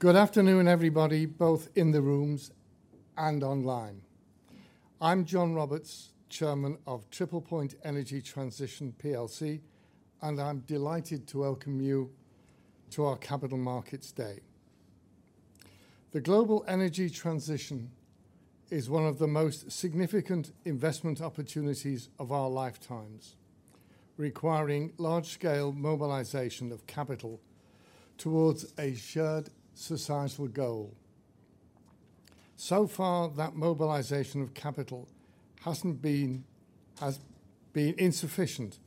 Good afternoon, everybody, both in the rooms and online. I'm John Roberts, chairman of Triple Point Energy Transition PLC, and I'm delighted to welcome you to our Capital Markets Day. The global energy transition is one of the most significant investment opportunities of our lifetimes, requiring large-scale mobilization of capital towards a shared societal goal. So far, that mobilization of capital has been insufficient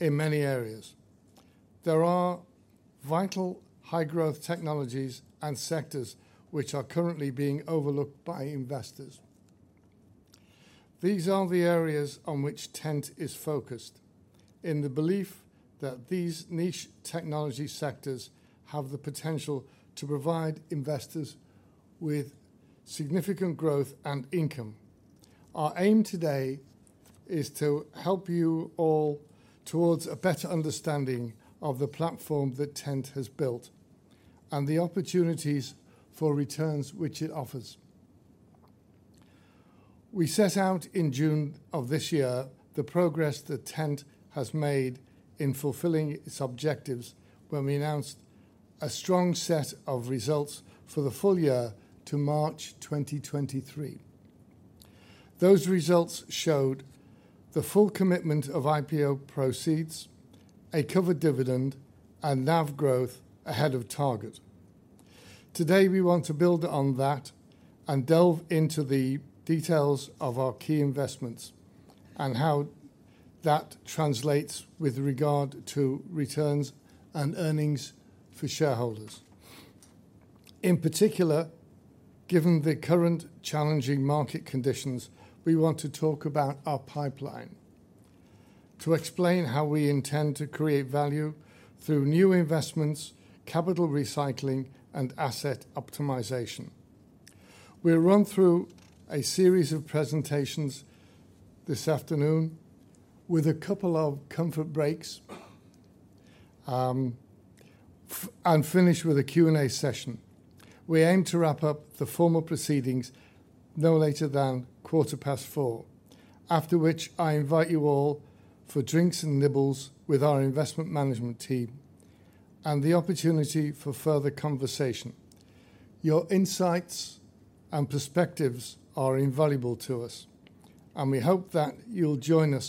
in many areas. There are vital high-growth technologies and sectors which are currently being overlooked by investors. These are the areas on which TENT is focused in the belief that these niche technology sectors have the potential to provide investors with significant growth and income. Our aim today is to help you all towards a better understanding of the platform that TENT has built and the opportunities for returns which it offers. We set out in June of this year, the progress that TENT has made in fulfilling its objectives when we announced a strong set of results for the full year to March 2023. Those results showed the full commitment of IPO proceeds, a covered dividend, and NAV growth ahead of target. Today, we want to build on that and delve into the details of our key investments and how that translates with regard to returns and earnings for shareholders. In particular, given the current challenging market conditions, we want to talk about our pipeline, to explain how we intend to create value through new investments, capital recycling, and asset optimization. We'll run through a series of presentations this afternoon with a couple of comfort breaks, and finish with a Q&A session. We aim to wrap up the formal proceedings no later than 4:15 P.M., after which I invite you all for drinks and nibbles with our investment management team and the opportunity for further conversation. Your insights and perspectives are invaluable to us, and we hope that you'll join us.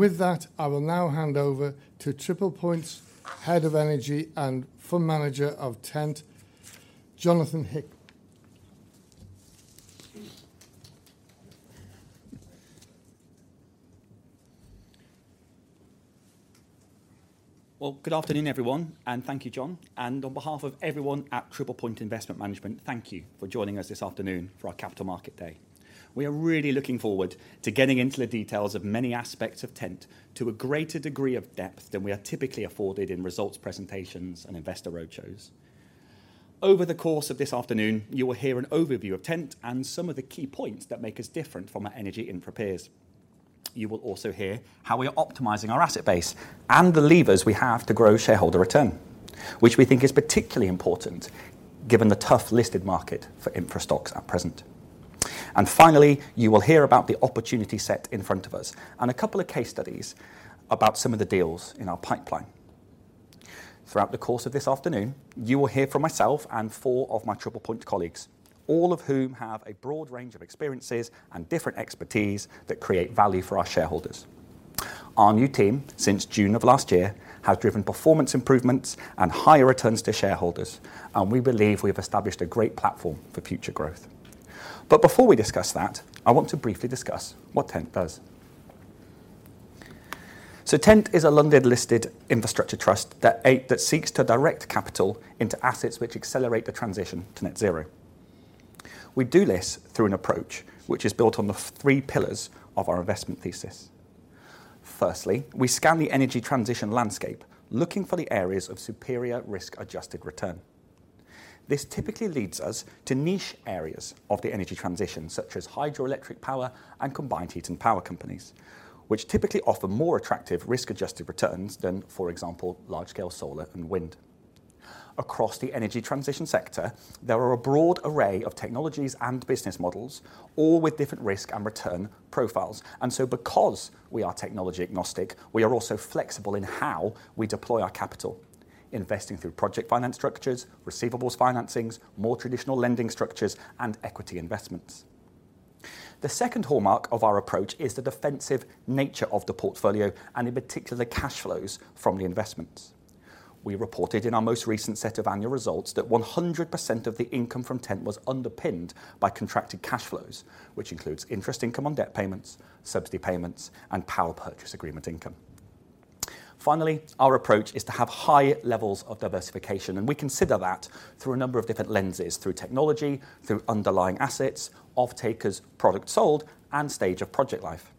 With that, I will now hand over to Triple Point's Head of Energy and Fund Manager of TENT, Jonathan Hick. Well, good afternoon, everyone, and thank you, John. On behalf of everyone at Triple Point Investment Management, thank you for joining us this afternoon for our Capital Market Day. We are really looking forward to getting into the details of many aspects of TENT to a greater degree of depth than we are typically afforded in results presentations and investor roadshows. Over the course of this afternoon, you will hear an overview of TENT and some of the key points that make us different from our energy infra peers. You will also hear how we are optimizing our asset base and the levers we have to grow shareholder return, which we think is particularly important given the tough listed market for infra stocks at present. Finally, you will hear about the opportunity set in front of us and a couple of case studies about some of the deals in our pipeline. Throughout the course of this afternoon, you will hear from myself and four of my Triple Point colleagues, all of whom have a broad range of experiences and different expertise that create value for our shareholders. Our new team, since June of last year, has driven performance improvements and higher returns to shareholders, and we believe we have established a great platform for future growth. But before we discuss that, I want to briefly discuss what TENT does. TENT is a London-listed infrastructure trust that seeks to direct capital into assets which accelerate the transition to net zero. We do this through an approach which is built on the three pillars of our investment thesis. Firstly, we scan the energy transition landscape, looking for the areas of superior risk-adjusted return. This typically leads us to niche areas of the energy transition, such as hydroelectric power and combined heat and power companies, which typically offer more attractive risk-adjusted returns than, for example, large-scale solar and wind. Across the energy transition sector, there are a broad array of technologies and business models, all with different risk and return profiles. And so because we are technology agnostic, we are also flexible in how we deploy our capital, investing through project finance structures, receivables financings, more traditional lending structures, and equity investments. The second hallmark of our approach is the defensive nature of the portfolio and, in particular, the cash flows from the investments. We reported in our most recent set of annual results that 100% of the income from TENT was underpinned by contracted cash flows, which includes interest income on debt payments, subsidy payments, and power purchase agreement income. Finally, our approach is to have high levels of diversification, and we consider that through a number of different lenses: through technology, through underlying assets, off-takers, product sold, and stage of project life.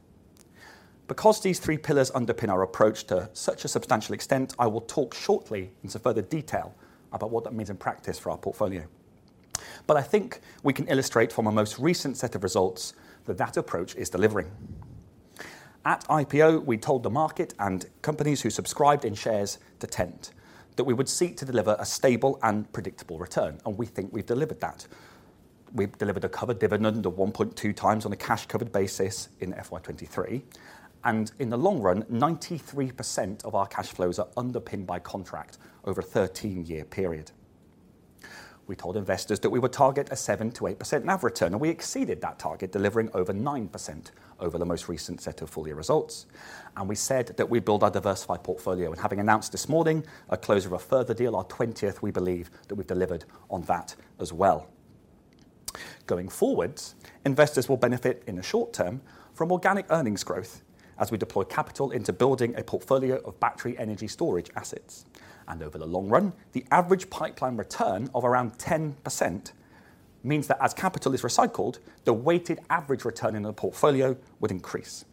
Because these three pillars underpin our approach to such a substantial extent, I will talk shortly into further detail about what that means in practice for our portfolio. But I think we can illustrate from our most recent set of results that that approach is delivering. At IPO, we told the market and companies who subscribed in shares to TENT that we would seek to deliver a stable and predictable return, and we think we've delivered that. We've delivered a covered dividend of 1.2 times on a cash covered basis in FY 2023, and in the long run, 93% of our cash flows are underpinned by contract over a 13-year period. We told investors that we would target a 7%-8% NAV return, and we exceeded that target, delivering over 9% over the most recent set of full year results. We said that we'd build our diversified portfolio, and having announced this morning a closure of a further deal, our 20th, we believe that we've delivered on that as well. Going forwards, investors will benefit in the short term from organic earnings growth as we deploy capital into building a portfolio of battery energy storage assets. Over the long run, the average pipeline return of around 10% means that as capital is recycled, the weighted average return in the portfolio would increase.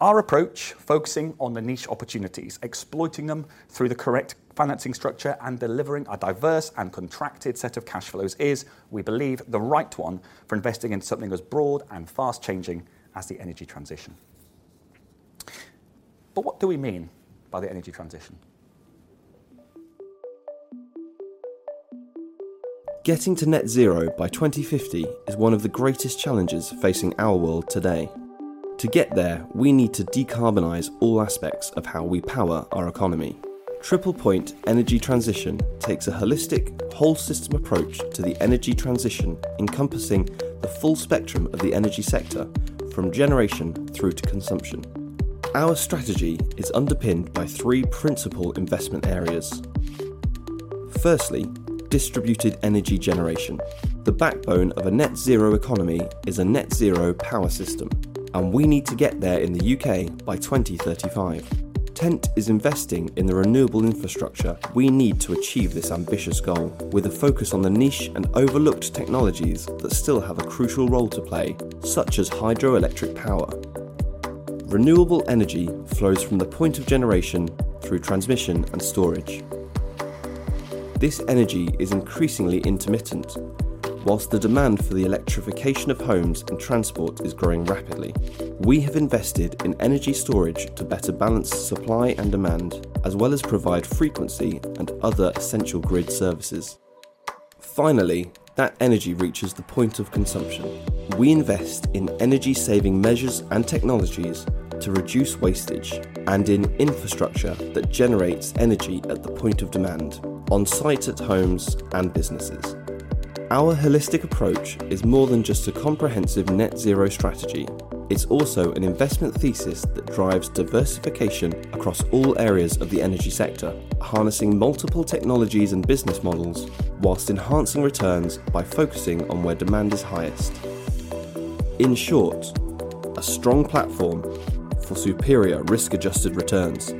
Our approach, focusing on the niche opportunities, exploiting them through the correct financing structure, and delivering a diverse and contracted set of cash flows, is, we believe, the right one for investing in something as broad and fast-changing as the energy transition. But what do we mean by the energy transition? Getting to net zero by 2050 is one of the greatest challenges facing our world today. To get there, we need to decarbonize all aspects of how we power our economy. Triple Point Energy Transition takes a holistic, whole system approach to the energy transition, encompassing the full spectrum of the energy sector, from generation through to consumption. Our strategy is underpinned by three principal investment areas. Firstly, distributed energy generation. The backbone of a net zero economy is a net zero power system, and we need to get there in the U.K. by 2035. TENT is investing in the renewable infrastructure we need to achieve this ambitious goal, with a focus on the niche and overlooked technologies that still have a crucial role to play, such as hydroelectric power. Renewable energy flows from the point of generation through transmission and storage. This energy is increasingly intermittent. Whilst the demand for the electrification of homes and transport is growing rapidly, we have invested in energy storage to better balance supply and demand, as well as provide frequency and other essential grid services. Finally, that energy reaches the point of consumption. We invest in energy-saving measures and technologies to reduce wastage and in infrastructure that generates energy at the point of demand, on site, at homes and businesses. Our holistic approach is more than just a comprehensive net zero strategy. It's also an investment thesis that drives diversification across all areas of the energy sector, harnessing multiple technologies and business models, while enhancing returns by focusing on where demand is highest. In short, a strong platform for superior risk-adjusted returns.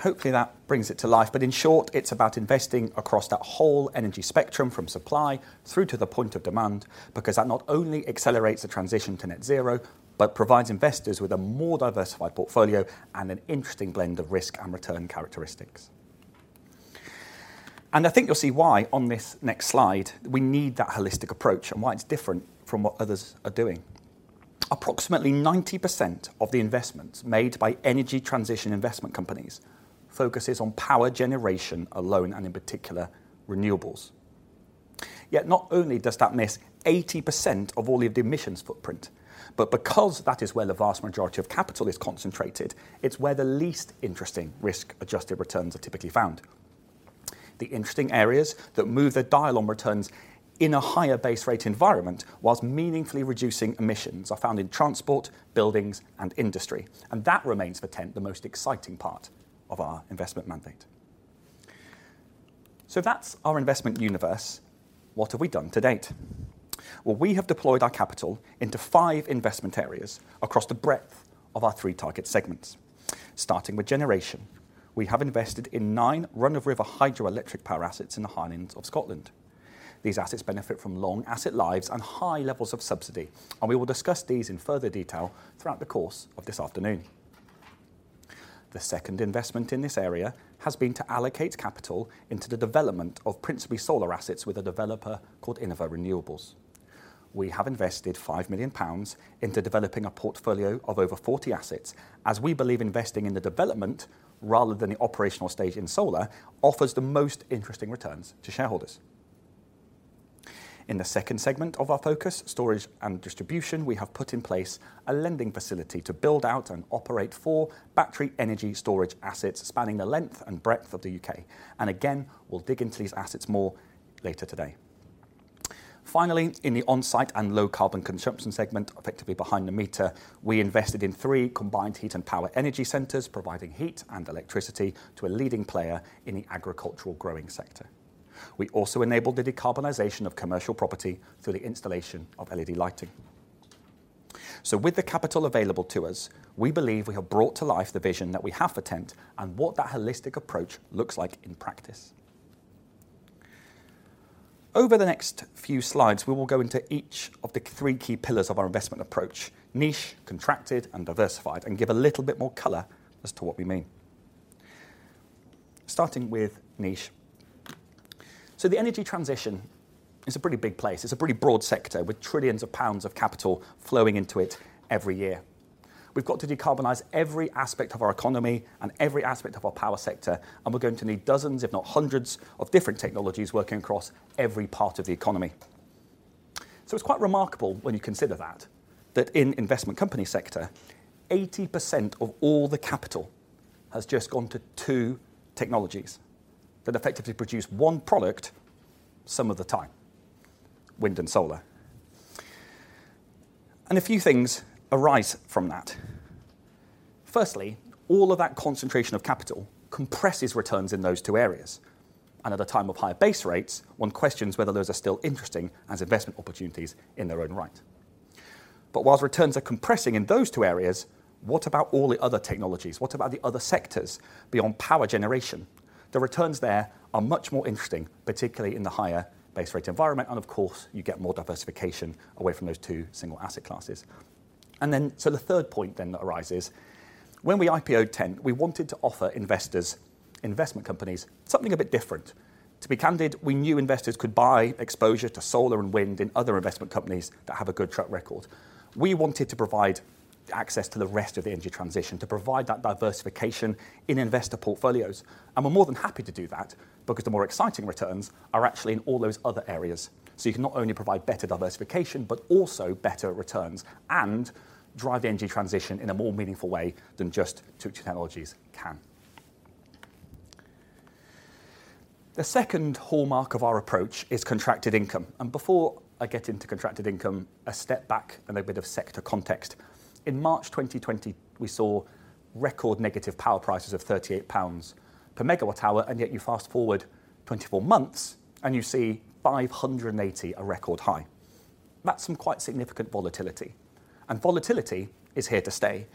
Hopefully that brings it to life, but in short, it's about investing across that whole energy spectrum, from supply through to the point of demand, because that not only accelerates the transition to net zero, but provides investors with a more diversified portfolio and an interesting blend of risk and return characteristics. I think you'll see why, on this next slide, we need that holistic approach and why it's different from what others are doing. Approximately 90% of the investments made by energy transition investment companies focuses on power generation alone and in particular, renewables. Yet, not only does that miss 80% of all of the emissions footprint, but because that is where the vast majority of capital is concentrated, it's where the least interesting risk-adjusted returns are typically found. The interesting areas that move the dial on returns in a higher base rate environment, whilst meaningfully reducing emissions, are found in transport, buildings, and industry, and that remains for TENT, the most exciting part of our investment mandate. That's our investment universe. What have we done to date? Well, we have deployed our capital into five investment areas across the breadth of our three target segments. Starting with generation, we have invested in nine run-of-river hydroelectric power assets in the Scottish Highlands. These assets benefit from long asset lives and high levels of subsidy, and we will discuss these in further detail throughout the course of this afternoon. The second investment in this area has been to allocate capital into the development of principally solar assets with a developer called Innova Renewables. We have invested 5 million pounds into developing a portfolio of over 40 assets, as we believe investing in the development rather than the operational stage in solar, offers the most interesting returns to shareholders. In the second segment of our focus, storage and distribution, we have put in place a lending facility to build out and operate four battery energy storage assets spanning the length and breadth of the U.K. And again, we'll dig into these assets more later today. Finally, in the on-site and low-carbon consumption segment, effectively behind the meter, we invested in three combined heat and power energy centers, providing heat and electricity to a leading player in the agricultural growing sector. We also enabled the decarbonization of commercial property through the installation of LED lighting. So with the capital available to us, we believe we have brought to life the vision that we have for TENT and what that holistic approach looks like in practice. Over the next few slides, we will go into each of the three key pillars of our investment approach: niche, contracted, and diversified, and give a little bit more color as to what we mean. Starting with niche. So the energy transition is a pretty big place. It's a pretty broad sector, with trillions of GBP of capital flowing into it every year. We've got to decarbonize every aspect of our economy and every aspect of our power sector, and we're going to need dozens, if not hundreds, of different technologies working across every part of the economy. So it's quite remarkable when you consider that, that in investment company sector, 80% of all the capital has just gone to two technologies that effectively produce one product some of the time, wind and solar. And a few things arise from that. Firstly, all of that concentration of capital compresses returns in those two areas, and at a time of higher base rates, one questions whether those are still interesting as investment opportunities in their own right. But whilst returns are compressing in those two areas, what about all the other technologies? What about the other sectors beyond power generation? The returns there are much more interesting, particularly in the higher base rate environment, and of course, you get more diversification away from those two single asset classes. And then, so the third point then that arises, when we IPO'd TENT, we wanted to offer investors, investment companies, something a bit different. To be candid, we knew investors could buy exposure to solar and wind in other investment companies that have a good track record. We wanted to provide access to the rest of the energy transition, to provide that diversification in investor portfolios. And we're more than happy to do that because the more exciting returns are actually in all those other areas. So you can not only provide better diversification, but also better returns and drive the energy transition in a more meaningful way than just two technologies can. The second hallmark of our approach is contracted income, and before I get into contracted income, a step back and a bit of sector context. In March 2020, we saw record negative power prices of 38 pounds per MWh, and yet you fast forward 24 months, and you see 580, a record high. That's some quite significant volatility, and volatility is here to stay.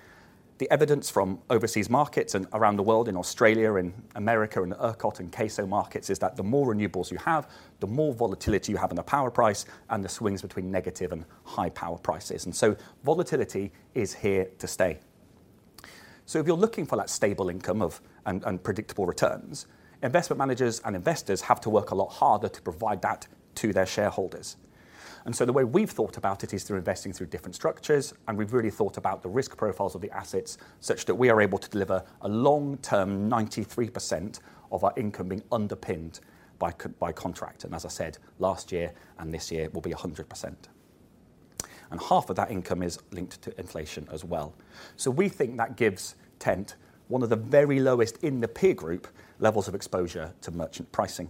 The evidence from overseas markets and around the world, in Australia, and America, and the ERCOT and CAISO markets, is that the more renewables you have, the more volatility you have in the power price and the swings between negative and high power prices. And so volatility is here to stay. So if you're looking for that stable income, and predictable returns, investment managers and investors have to work a lot harder to provide that to their shareholders. So the way we've thought about it is through investing through different structures, and we've really thought about the risk profiles of the assets such that we are able to deliver a long-term 93% of our income being underpinned by contract. And as I said, last year and this year will be 100%. And half of that income is linked to inflation as well. So we think that gives TENT one of the very lowest in the peer group levels of exposure to merchant pricing.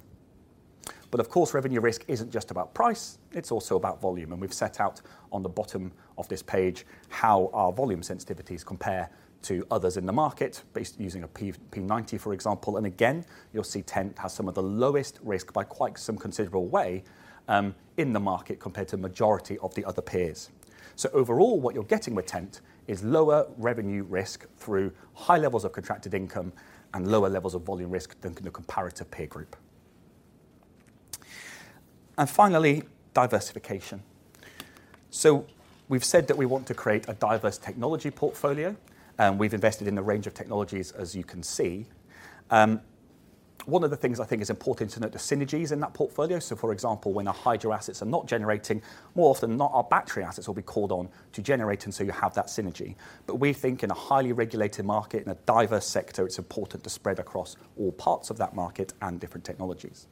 But of course, revenue risk isn't just about price, it's also about volume. And we've set out on the bottom of this page how our volume sensitivities compare to others in the market based using a P90, for example. And again, you'll see TENT has some of the lowest risk by quite some considerable way in the market compared to the majority of the other peers. So overall, what you're getting with TENT is lower revenue risk through high levels of contracted income and lower levels of volume risk than the comparative peer group. And finally, diversification. So we've said that we want to create a diverse technology portfolio, and we've invested in a range of technologies, as you can see. One of the things I think is important to note, the synergies in that portfolio. So for example, when our hydro assets are not generating, more often than not, our battery assets will be called on to generate, and so you have that synergy. But we think in a highly regulated market, in a diverse sector, it's important to spread across all parts of that market and different technologies.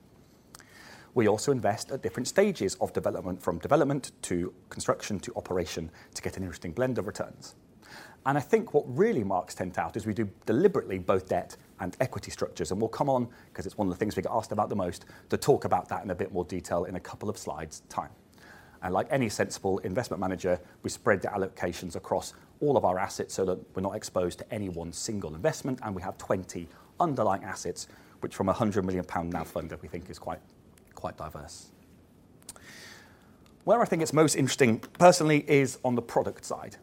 We also invest at different stages of development, from development to construction to operation, to get an interesting blend of returns. And I think what really marks TENT out is we do deliberately both debt and equity structures, and we'll come on, because it's one of the things we get asked about the most, to talk about that in a bit more detail in a couple of slides' time. And like any sensible investment manager, we spread the allocations across all of our assets so that we're not exposed to any one single investment, and we have 20 underlying assets, which from a 100 million pound NAV fund that we think is quite, quite diverse. Where I think it's most interesting personally is on the product side.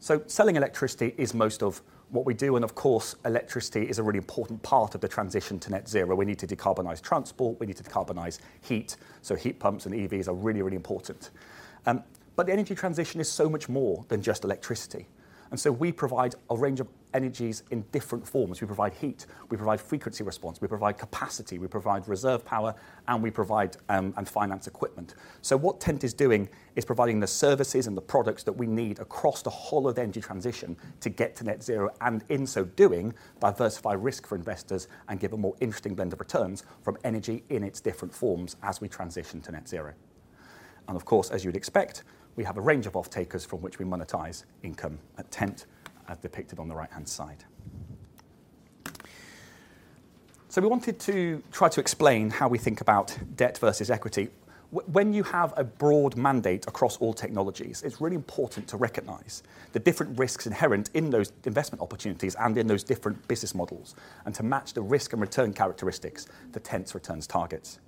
So selling electricity is most of what we do, and of course, electricity is a really important part of the transition to net zero. We need to decarbonize transport, we need to decarbonize heat, so heat pumps and EVs are really, really important. But the energy transition is so much more than just electricity, and so we provide a range of energies in different forms. We provide heat, we provide frequency response, we provide capacity, we provide reserve power, and we provide, and finance equipment. So what TENT is doing is providing the services and the products that we need across the whole of the energy transition to get to net zero, and in so doing, diversify risk for investors and give a more interesting blend of returns from energy in its different forms as we transition to net zero. And of course, as you'd expect, we have a range of off-takers from which we monetize income at TENT, as depicted on the right-hand side. So we wanted to try to explain how we think about debt versus equity. When you have a broad mandate across all technologies, it's really important to recognize the different risks inherent in those investment opportunities and in those different business models, and to match the risk and return characteristics to TENT's returns targets.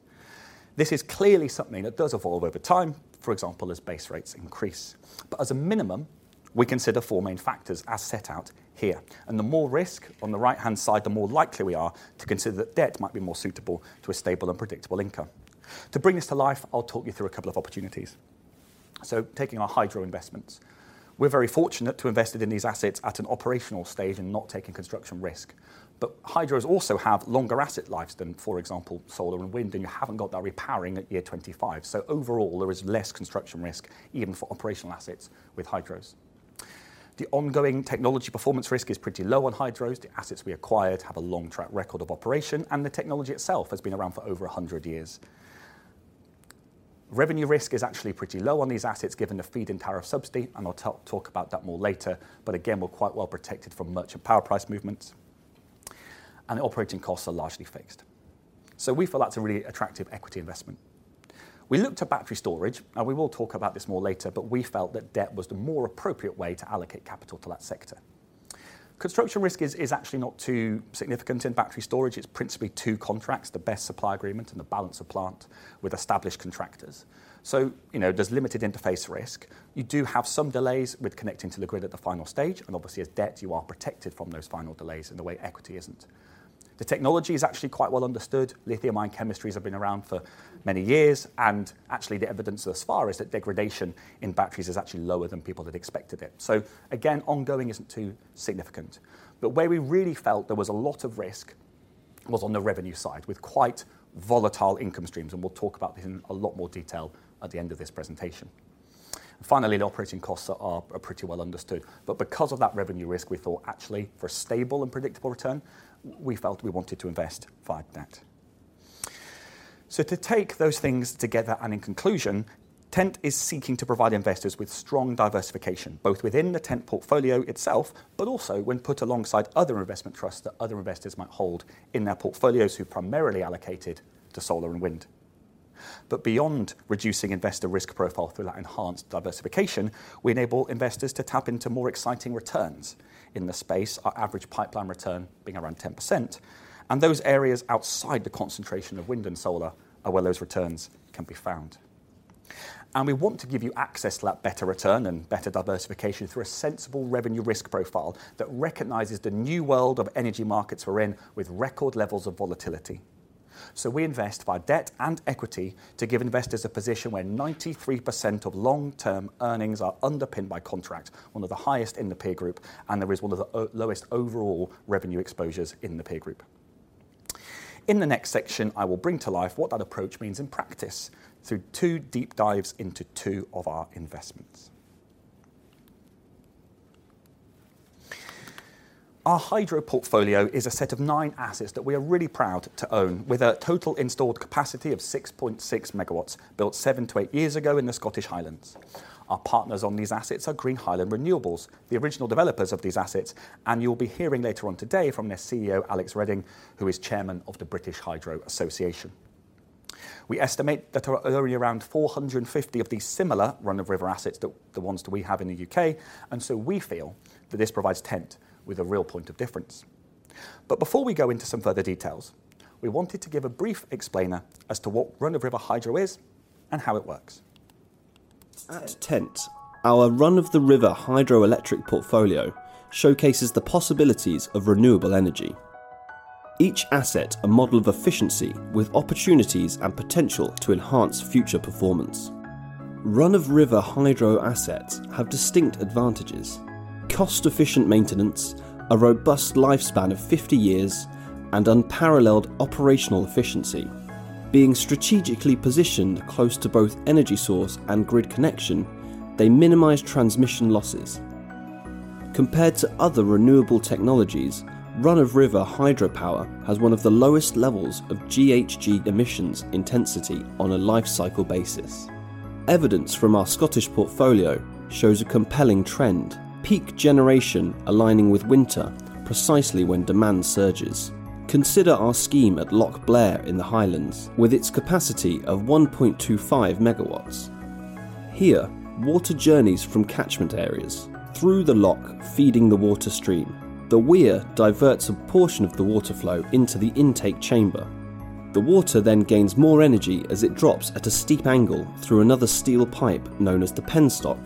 This is clearly something that does evolve over time, for example, as base rates increase. But as a minimum, we consider four main factors as set out here, and the more risk on the right-hand side, the more likely we are to consider that debt might be more suitable to a stable and predictable income. To bring this to life, I'll talk you through a couple of opportunities... So taking our hydro investments, we're very fortunate to have invested in these assets at an operational stage and not taking construction risk. But hydros also have longer asset lives than, for example, solar and wind, and you haven't got that repowering at year 25. So overall, there is less construction risk, even for operational assets with hydros. The ongoing technology performance risk is pretty low on hydros. The assets we acquired have a long track record of operation, and the technology itself has been around for over 100 years. Revenue risk is actually pretty low on these assets, given the Feed-in Tariff subsidy, and I'll talk about that more later, but again, we're quite well protected from merchant power price movements, and the operating costs are largely fixed. So we feel that's a really attractive equity investment. We looked at battery storage, and we will talk about this more later, but we felt that debt was the more appropriate way to allocate capital to that sector. Construction risk is actually not too significant in battery storage. It's principally two contracts, the BESS supply agreement and the balance of plant with established contractors. So, you know, there's limited interface risk. You do have some delays with connecting to the grid at the final stage, and obviously, as debt, you are protected from those final delays in the way equity isn't. The technology is actually quite well understood. Lithium-ion chemistries have been around for many years, and actually, the evidence thus far is that degradation in batteries is actually lower than people had expected it. So again, ongoing isn't too significant. But where we really felt there was a lot of risk was on the revenue side, with quite volatile income streams, and we'll talk about this in a lot more detail at the end of this presentation. Finally, the operating costs are pretty well understood, but because of that revenue risk, we thought actually, for a stable and predictable return, we felt we wanted to invest via debt. So to take those things together and in conclusion, TENT is seeking to provide investors with strong diversification, both within the TENT portfolio itself, but also when put alongside other investment trusts that other investors might hold in their portfolios who primarily allocated to solar and wind. But beyond reducing investor risk profile through that enhanced diversification, we enable investors to tap into more exciting returns. In the space, our average pipeline return being around 10%, and those areas outside the concentration of wind and solar are where those returns can be found. And we want to give you access to that better return and better diversification through a sensible revenue risk profile that recognizes the new world of energy markets we're in with record levels of volatility. So we invest via debt and equity to give investors a position where 93% of long-term earnings are underpinned by contract, one of the highest in the peer group, and there is one of the lowest overall revenue exposures in the peer group. In the next section, I will bring to life what that approach means in practice through two deep dives into two of our investments. Our hydro portfolio is a set of nine assets that we are really proud to own, with a total installed capacity of 6.6 MW, built seven to eight years ago in the Scottish Highlands. Our partners on these assets are Green Highland Renewables, the original developers of these assets, and you'll be hearing later on today from their Chief Executive Officer, Alex Reading, who is Chairman of the British Hydropower Association. We estimate that there are already around 450 of these similar run-of-river assets that the ones that we have in the U.K, and so we feel that this provides TENT with a real point of difference. Before we go into some further details, we wanted to give a brief explainer as to what run-of-river Hydro is and how it works. At TENT, our run-of-the-river hydroelectric portfolio showcases the possibilities of renewable energy. Each asset a model of efficiency with opportunities and potential to enhance future performance. Run-of-the-river hydro assets have distinct advantages: cost-efficient maintenance, a robust lifespan of 50 years, and unparalleled operational efficiency. Being strategically positioned close to both energy source and grid connection, they minimize transmission losses. Compared to other renewable technologies, run-of-the-river hydropower has one of the lowest levels of GHG emissions intensity on a life cycle basis. Evidence from our Scottish portfolio shows a compelling trend, peak generation aligning with winter, precisely when demand surges. Consider our scheme at Loch Blair in the Highlands, with its capacity of 1.25 MW. Here, water journeys from catchment areas through the loch, feeding the water stream. The weir diverts a portion of the water flow into the intake chamber. The water then gains more energy as it drops at a steep angle through another steel pipe known as the penstock,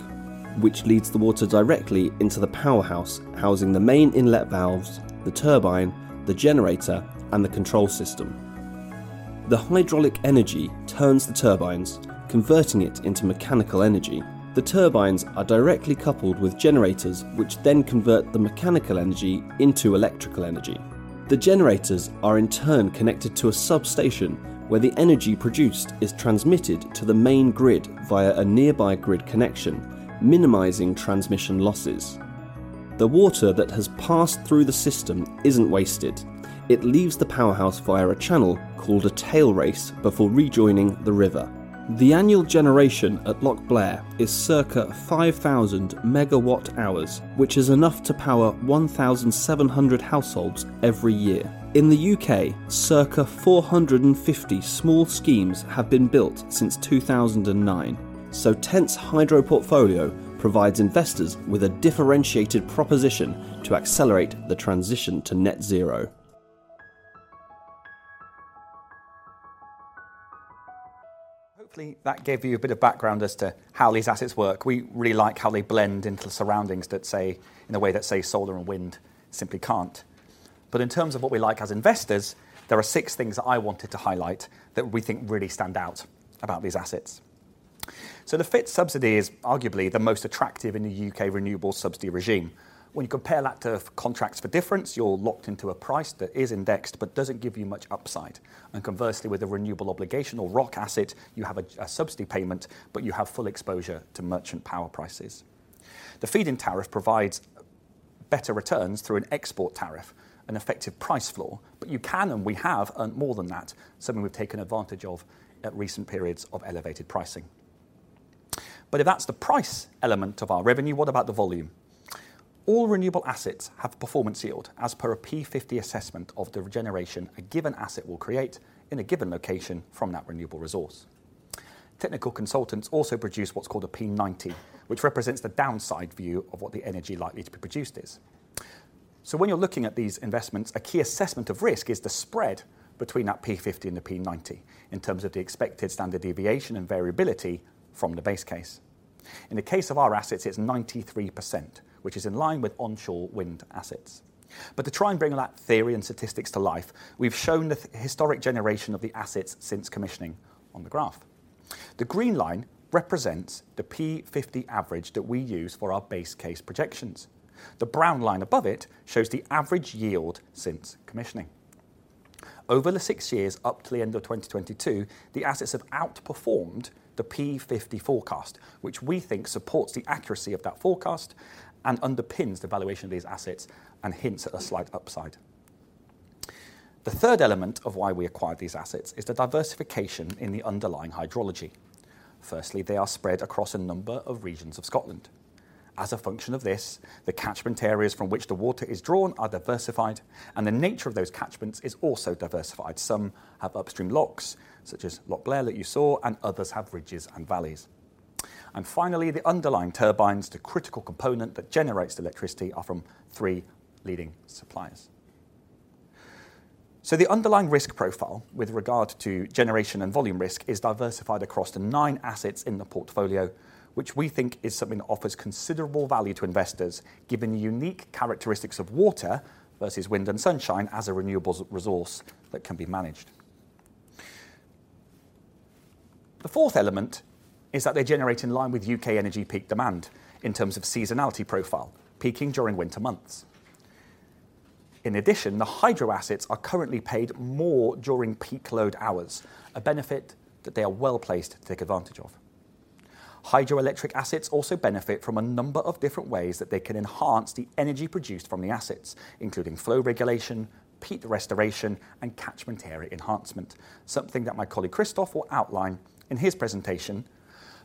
which leads the water directly into the powerhouse, housing the main inlet valves, the turbine, the generator, and the control system. The hydraulic energy turns the turbines, converting it into mechanical energy. The turbines are directly coupled with generators, which then convert the mechanical energy into electrical energy. The generators are, in turn, connected to a substation, where the energy produced is transmitted to the main grid via a nearby grid connection, minimizing transmission losses. The water that has passed through the system isn't wasted. It leaves the powerhouse via a channel called a tailrace before rejoining the river. The annual generation at Loch Blair is circa 5,000 MWh, which is enough to power 1,700 households every year. In the U.K, circa 450 small schemes have been built since 2009. So TENT's hydro portfolio provides investors with a differentiated proposition to accelerate the transition to net zero. Hopefully, that gave you a bit of background as to how these assets work. We really like how they blend into the surroundings that say, in a way that, say, solar and wind simply can't. But in terms of what we like as investors, there are six things that I wanted to highlight that we think really stand out about these assets. So the FIT subsidy is arguably the most attractive in the U.K renewable subsidy regime. When you compare that to contracts for difference, you're locked into a price that is indexed but doesn't give you much upside. And conversely, with a renewable obligation or ROC asset, you have a subsidy payment, but you have full exposure to merchant power prices. The Feed-in Tariff provides better returns through an export tariff, an effective price floor, but you can, and we have earned more than that, something we've taken advantage of at recent periods of elevated pricing. But if that's the price element of our revenue, what about the volume? All renewable assets have a performance yield as per a P50 assessment of the generation a given asset will create in a given location from that renewable resource. Technical consultants also produce what's called a P90, which represents the downside view of what the energy likely to be produced is. So when you're looking at these investments, a key assessment of risk is the spread between that P50 and the P90 in terms of the expected standard deviation and variability from the base case. In the case of our assets, it's 93%, which is in line with onshore wind assets. But to try and bring that theory and statistics to life, we've shown the historic generation of the assets since commissioning on the graph. The green line represents the P50 average that we use for our base case projections. The brown line above it shows the average yield since commissioning. Over the six years up to the end of 2022, the assets have outperformed the P50 forecast, which we think supports the accuracy of that forecast and underpins the valuation of these assets and hints at a slight upside. The third element of why we acquired these assets is the diversification in the underlying hydrology. Firstly, they are spread across a number of regions of Scotland. As a function of this, the catchment areas from which the water is drawn are diversified, and the nature of those catchments is also diversified. Some have upstream lochs, such as Loch Blair that you saw, and others have ridges and valleys. And finally, the underlying turbines, the critical component that generates the electricity, are from three leading suppliers. So the underlying risk profile with regard to generation and volume risk is diversified across the nine assets in the portfolio, which we think is something that offers considerable value to investors, given the unique characteristics of water versus wind and sunshine as a renewables resource that can be managed. The fourth element is that they generate in line with U.K. energy peak demand in terms of seasonality profile, peaking during winter months. In addition, the hydro assets are currently paid more during peak load hours, a benefit that they are well-placed to take advantage of. Hydroelectric assets also benefit from a number of different ways that they can enhance the energy produced from the assets, including flow regulation, peat restoration, and catchment area enhancement, something that my colleague Christophe will outline in his presentation.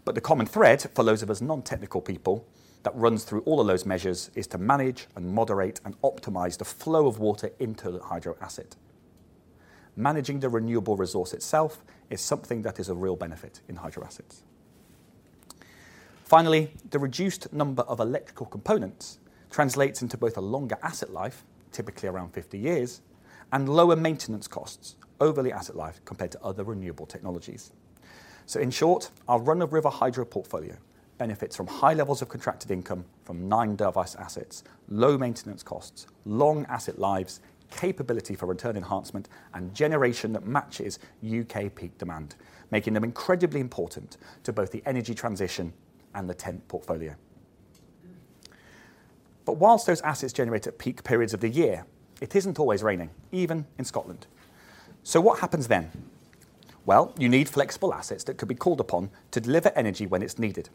But the common thread, for those of us non-technical people, that runs through all of those measures is to manage and moderate and optimize the flow of water into the hydro asset. Managing the renewable resource itself is something that is a real benefit in hydro assets. Finally, the reduced number of electrical components translates into both a longer asset life, typically around 50 years, and lower maintenance costs over the asset life compared to other renewable technologies. In short, our run-of-river Hydro portfolio benefits from high levels of contracted income from nine diverse assets, low maintenance costs, long asset lives, capability for return enhancement, and generation that matches U.K. peak demand, making them incredibly important to both the energy transition and the TENT portfolio. Whilst those assets generate at peak periods of the year, it isn't always raining, even in Scotland. What happens then? Well, you need flexible assets that can be called upon to deliver energy when it's needed,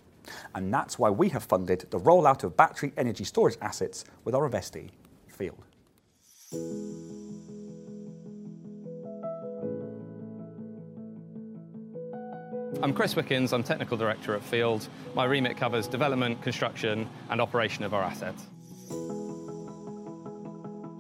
and that's why we have funded the rollout of battery energy storage assets with our investee, Field. I'm Chris Wickins. I'm Technical Director at Field. My remit covers development, construction, and operation of our assets.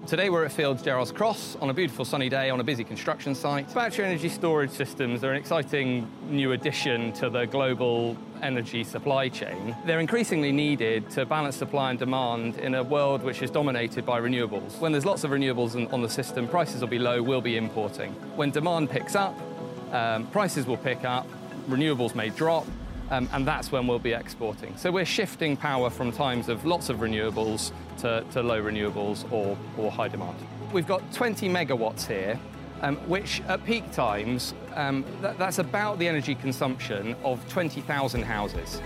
Today, we're at Field's Gerrards Cross on a beautiful sunny day on a busy construction site. Battery energy storage systems are an exciting new addition to the global energy supply chain. They're increasingly needed to balance supply and demand in a world which is dominated by renewables. When there's lots of renewables on the system, prices will be low, we'll be importing. When demand picks up, prices will pick up, renewables may drop, and that's when we'll be exporting. So we're shifting power from times of lots of renewables to low renewables or high demand. We've got 20 MW here, which at peak times, that's about the energy consumption of 20,000 houses.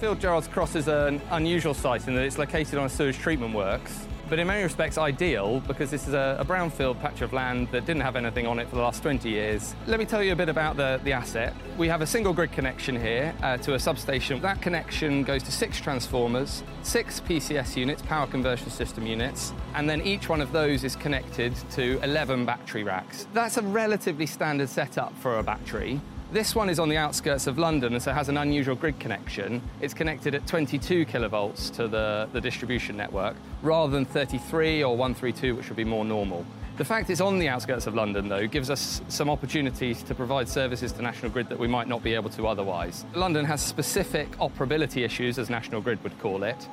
Field Gerrards Cross is an unusual site in that it's located on a sewage treatment works, but in many respects, ideal, because this is a brownfield patch of land that didn't have anything on it for the last 20 years. Let me tell you a bit about the asset. We have a single grid connection here to a substation. That connection goes to six transformers, six PCS units, power conversion system units, and then each one of those is connected to 11 battery racks. That's a relatively standard setup for a battery. This one is on the outskirts of London, and so it has an unusual grid connection. It's connected at 22 kilovolts to the distribution network, rather than 33 or 132, which would be more normal. The fact it's on the outskirts of London, though, gives us some opportunities to provide services to National Grid that we might not be able to otherwise. London has specific operability issues, as National Grid would call it,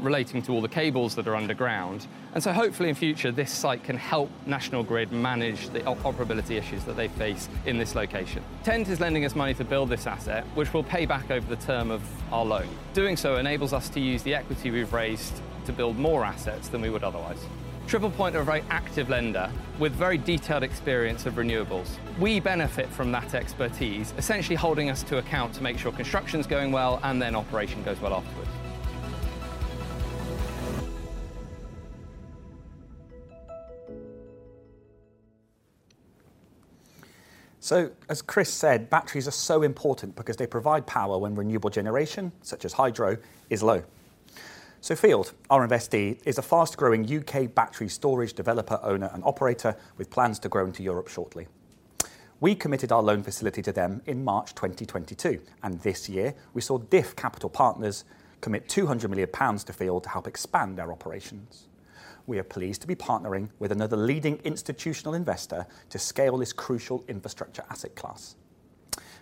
relating to all the cables that are underground. And so hopefully, in future, this site can help National Grid manage the operability issues that they face in this location. TENT is lending us money to build this asset, which we'll pay back over the term of our loan. Doing so enables us to use the equity we've raised to build more assets than we would otherwise. Triple Point are a very active lender with very detailed experience of renewables. We benefit from that expertise, essentially holding us to account to make sure construction's going well, and then operation goes well afterwards. As Chris said, batteries are so important because they provide power when renewable generation, such as hydro, is low. Field, our investee, is a fast-growing U.K battery storage developer, owner, and operator with plans to grow into Europe shortly. We committed our loan facility to them in March 2022, and this year we saw DIF Capital Partners commit 200 million pounds to Field to help expand their operations. We are pleased to be partnering with another leading institutional investor to scale this crucial infrastructure asset class.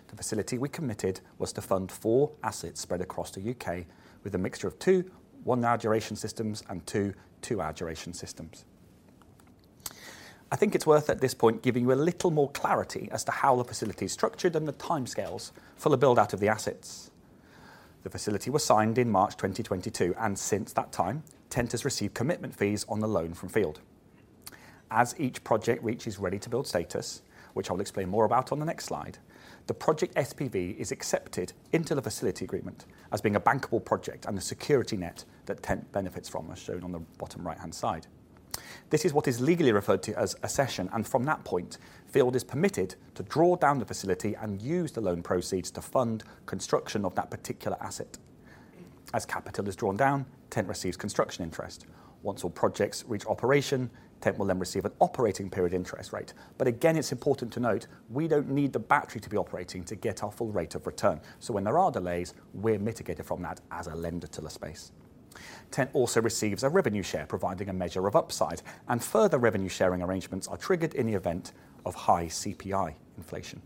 The facility we committed was to fund four assets spread across the U.K with a mixture of 2 1-hour duration systems and 2 2-hour duration systems. I think it's worth at this point giving you a little more clarity as to how the facility is structured and the timescales for the build-out of the assets. The facility was signed in March 2022, and since that time, TENT has received commitment fees on the loan from Field. As each project reaches ready-to-build status, which I'll explain more about on the next slide, the project SPV is accepted into the facility agreement as being a bankable project and a security net that TENT benefits from, as shown on the bottom right-hand side. This is what is legally referred to as accession, and from that point, Field is permitted to draw down the facility and use the loan proceeds to fund construction of that particular asset. As capital is drawn down, TENT receives construction interest. Once all projects reach operation, TENT will then receive an operating period interest rate. But again, it's important to note, we don't need the battery to be operating to get our full rate of return. So when there are delays, we're mitigated from that as a lender to the space. TENT also receives a revenue share, providing a measure of upside, and further revenue sharing arrangements are triggered in the event of high CPI inflation.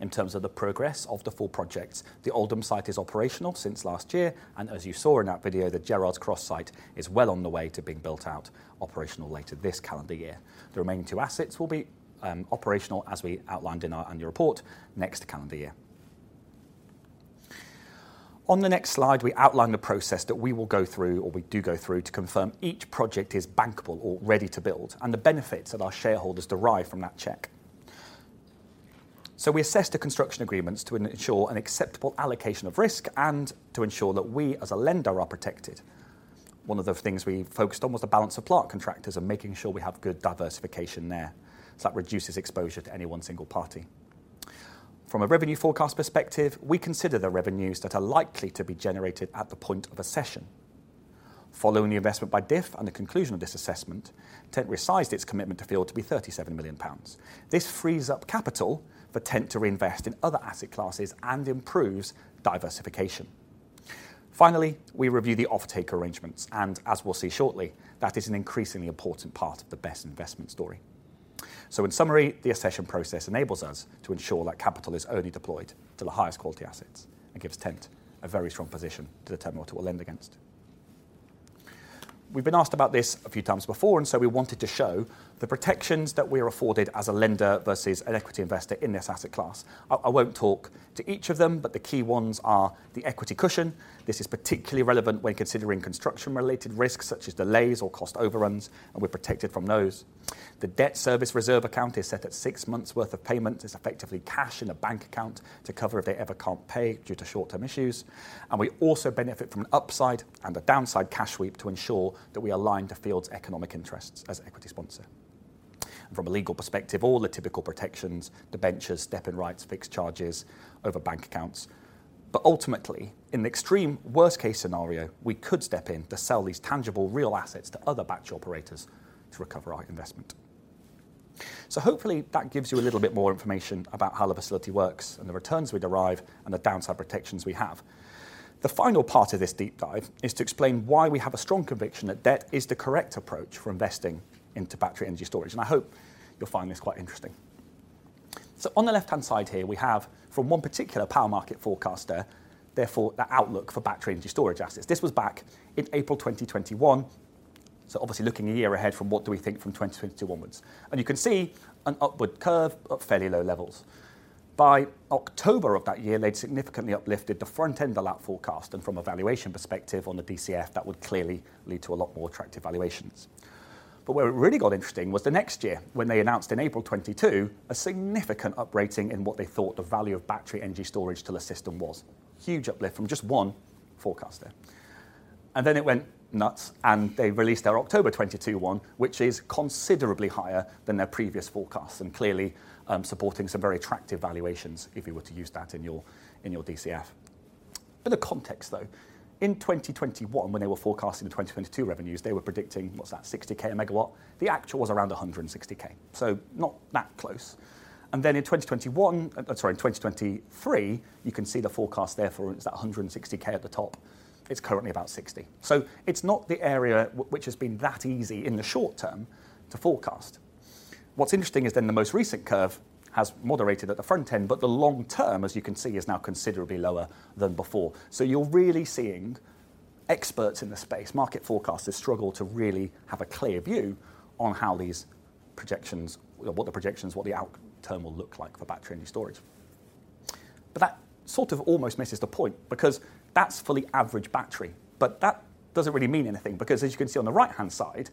In terms of the progress of the four projects, the Oldham site is operational since last year, and as you saw in that video, the Gerrards Cross site is well on the way to being built out, operational later this calendar year. The remaining two assets will be operational as we outlined in our annual report next calendar year. On the next slide, we outline the process that we will go through, or we do go through, to confirm each project is bankable or ready to build, and the benefits that our shareholders derive from that check. So we assess the construction agreements to ensure an acceptable allocation of risk and to ensure that we, as a lender, are protected. One of the things we focused on was the balance of plant contractors and making sure we have good diversification there, so that reduces exposure to any one single party. From a revenue forecast perspective, we consider the revenues that are likely to be generated at the point of accession. Following the investment by DIF and the conclusion of this assessment, TENT resized its commitment to Field to be 37 million pounds. This frees up capital for TENT to reinvest in other asset classes and improves diversification. Finally, we review the offtake arrangements, and as we'll see shortly, that is an increasingly important part of the BESS investment story. So in summary, the accession process enables us to ensure that capital is only deployed to the highest quality assets and gives TENT a very strong position to determine what it will lend against. We've been asked about this a few times before, and so we wanted to show the protections that we are afforded as a lender versus an equity investor in this asset class. I won't talk to each of them, but the key ones are the equity cushion. This is particularly relevant when considering construction-related risks, such as delays or cost overruns, and we're protected from those. The debt service reserve account is set at six months' worth of payments. It's effectively cash in a bank account to cover if they ever can't pay due to short-term issues. We also benefit from an upside and a downside cash sweep to ensure that we align to Field's economic interests as equity sponsor. From a legal perspective, all the typical protections, debentures, step-in rights, fixed charges over bank accounts. But ultimately, in the extreme worst-case scenario, we could step in to sell these tangible, real assets to other battery operators to recover our investment. Hopefully that gives you a little bit more information about how the facility works and the returns we derive and the downside protections we have. The final part of this deep dive is to explain why we have a strong conviction that debt is the correct approach for investing into battery energy storage, and I hope you'll find this quite interesting. On the left-hand side here, we have from one particular power market forecaster, therefore, the outlook for battery energy storage assets. This was back in April 2021, so obviously looking a year ahead from what do we think from 2021 onwards. You can see an upward curve at fairly low levels. By October of that year, they'd significantly uplifted the front-end of that forecast, and from a valuation perspective on the DCF, that would clearly lead to a lot more attractive valuations. But where it really got interesting was the next year when they announced in April 2022, a significant uprating in what they thought the value of battery energy storage to the system was. Huge uplift from just one forecaster. Then it went nuts, and they released their October 2022 one, which is considerably higher than their previous forecasts and clearly supporting some very attractive valuations if you were to use that in your, in your DCF. A bit of context, though. In 2021, when they were forecasting the 2022 revenues, they were predicting, what's that? 60K per MW. The actual was around 160K, so not that close. Then in 2023, you can see the forecast therefore, it's 160K at the top. It's currently about 60K. So it's not the area which has been that easy in the short term to forecast. What's interesting is then the most recent curve has moderated at the front end, but the long term, as you can see, is now considerably lower than before. So you're really seeing experts in the space, market forecasters, struggle to really have a clear view on how these projections... what the projections, what the out term will look like for battery energy storage. But that sort of almost misses the point, because that's for the average battery, but that doesn't really mean anything, because as you can see on the right-hand side,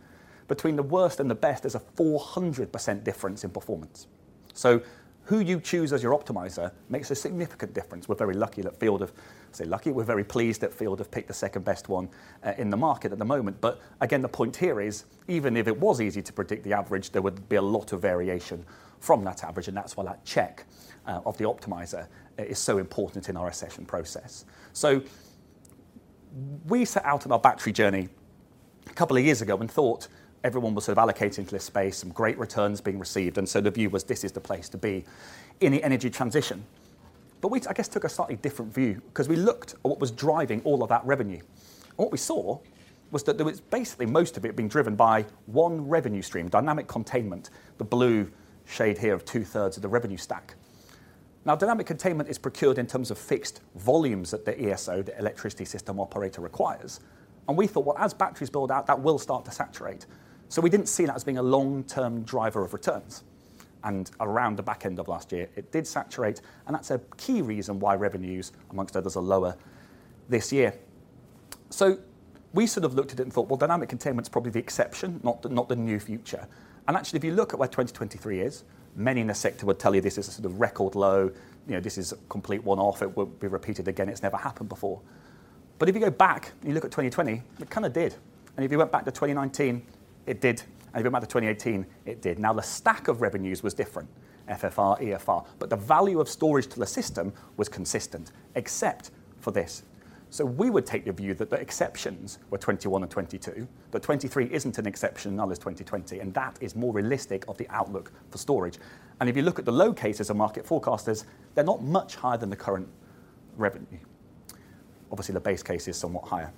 between the worst and the best, there's a 400% difference in performance. So who you choose as your optimizer makes a significant difference. We're very lucky that Field have, say, lucky, we're very pleased that Field have picked the second-best one in the market at the moment. But again, the point here is, even if it was easy to predict the average, there would be a lot of variation from that average, and that's why that check of the optimizer is so important in our assessment process. So we set out on our battery journey a couple of years ago and thought everyone was sort of allocating to this space, some great returns being received, and so the view was this is the place to be in the energy transition. But we, I guess, took a slightly different view because we looked at what was driving all of that revenue, and what we saw was that there was basically most of it being driven by one revenue stream, Dynamic Containment, the blue shade here of two-thirds of the revenue stack. Now, Dynamic Containment is procured in terms of fixed volumes that the ESO, the Electricity System Operator, requires. And we thought, well, as batteries build out, that will start to saturate. So we didn't see that as being a long-term driver of returns, and around the back end of last year, it did saturate, and that's a key reason why revenues, among others, are lower this year. So we sort of looked at it and thought, well, Dynamic Containment is probably the exception, not the new future. And actually, if you look at where 2023 is, many in the sector would tell you this is a sort of record low, you know, this is a complete one-off, it won't be repeated again. It's never happened before. But if you go back and you look at 2020, it kind of did. And if you went back to 2019, it did. And if you went back to 2018, it did. Now, the stack of revenues was different, FFR, EFR, but the value of storage to the system was consistent, except for this. So we would take the view that the exceptions were 21 and 22, but 23 isn't an exception, nor is 2020, and that is more realistic of the outlook for storage. And if you look at the low cases of market forecasters, they're not much higher than the current revenue. Obviously, the base case is somewhat higher.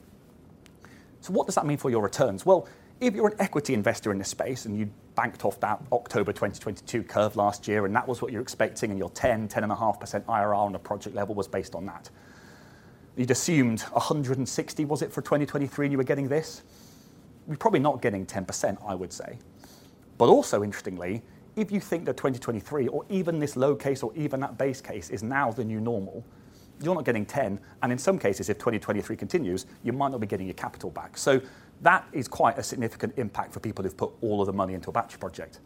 So what does that mean for your returns? Well, if you're an equity investor in this space and you banked off that October 2022 curve last year, and that was what you're expecting, and your 10, 10.5% IRR on a project level was based on that, you'd assumed 160, was it, for 2023, and you were getting this? You're probably not getting 10%, I would say. But also interestingly, if you think that 2023, or even this low case or even that base case, is now the new normal, you're not getting 10%, and in some cases, if 2023 continues, you might not be getting your capital back. So that is quite a significant impact for people who've put all of the money into a battery project.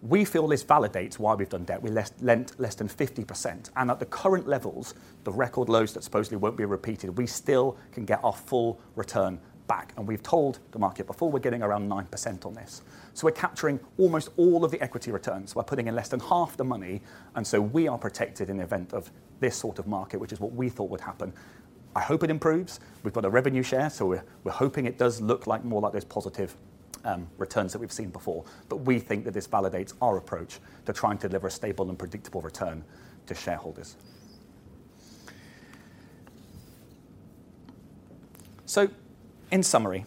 We feel this validates why we've done debt. We lent less than 50%, and at the current levels, the record lows that supposedly won't be repeated, we still can get our full return back, and we've told the market before we're getting around 9% on this. So we're capturing almost all of the equity returns by putting in less than half the money, and so we are protected in the event of this sort of market, which is what we thought would happen. I hope it improves. We've got a revenue share, so we're, we're hoping it does look like more like those positive returns that we've seen before. But we think that this validates our approach to trying to deliver a stable and predictable return to shareholders. So in summary,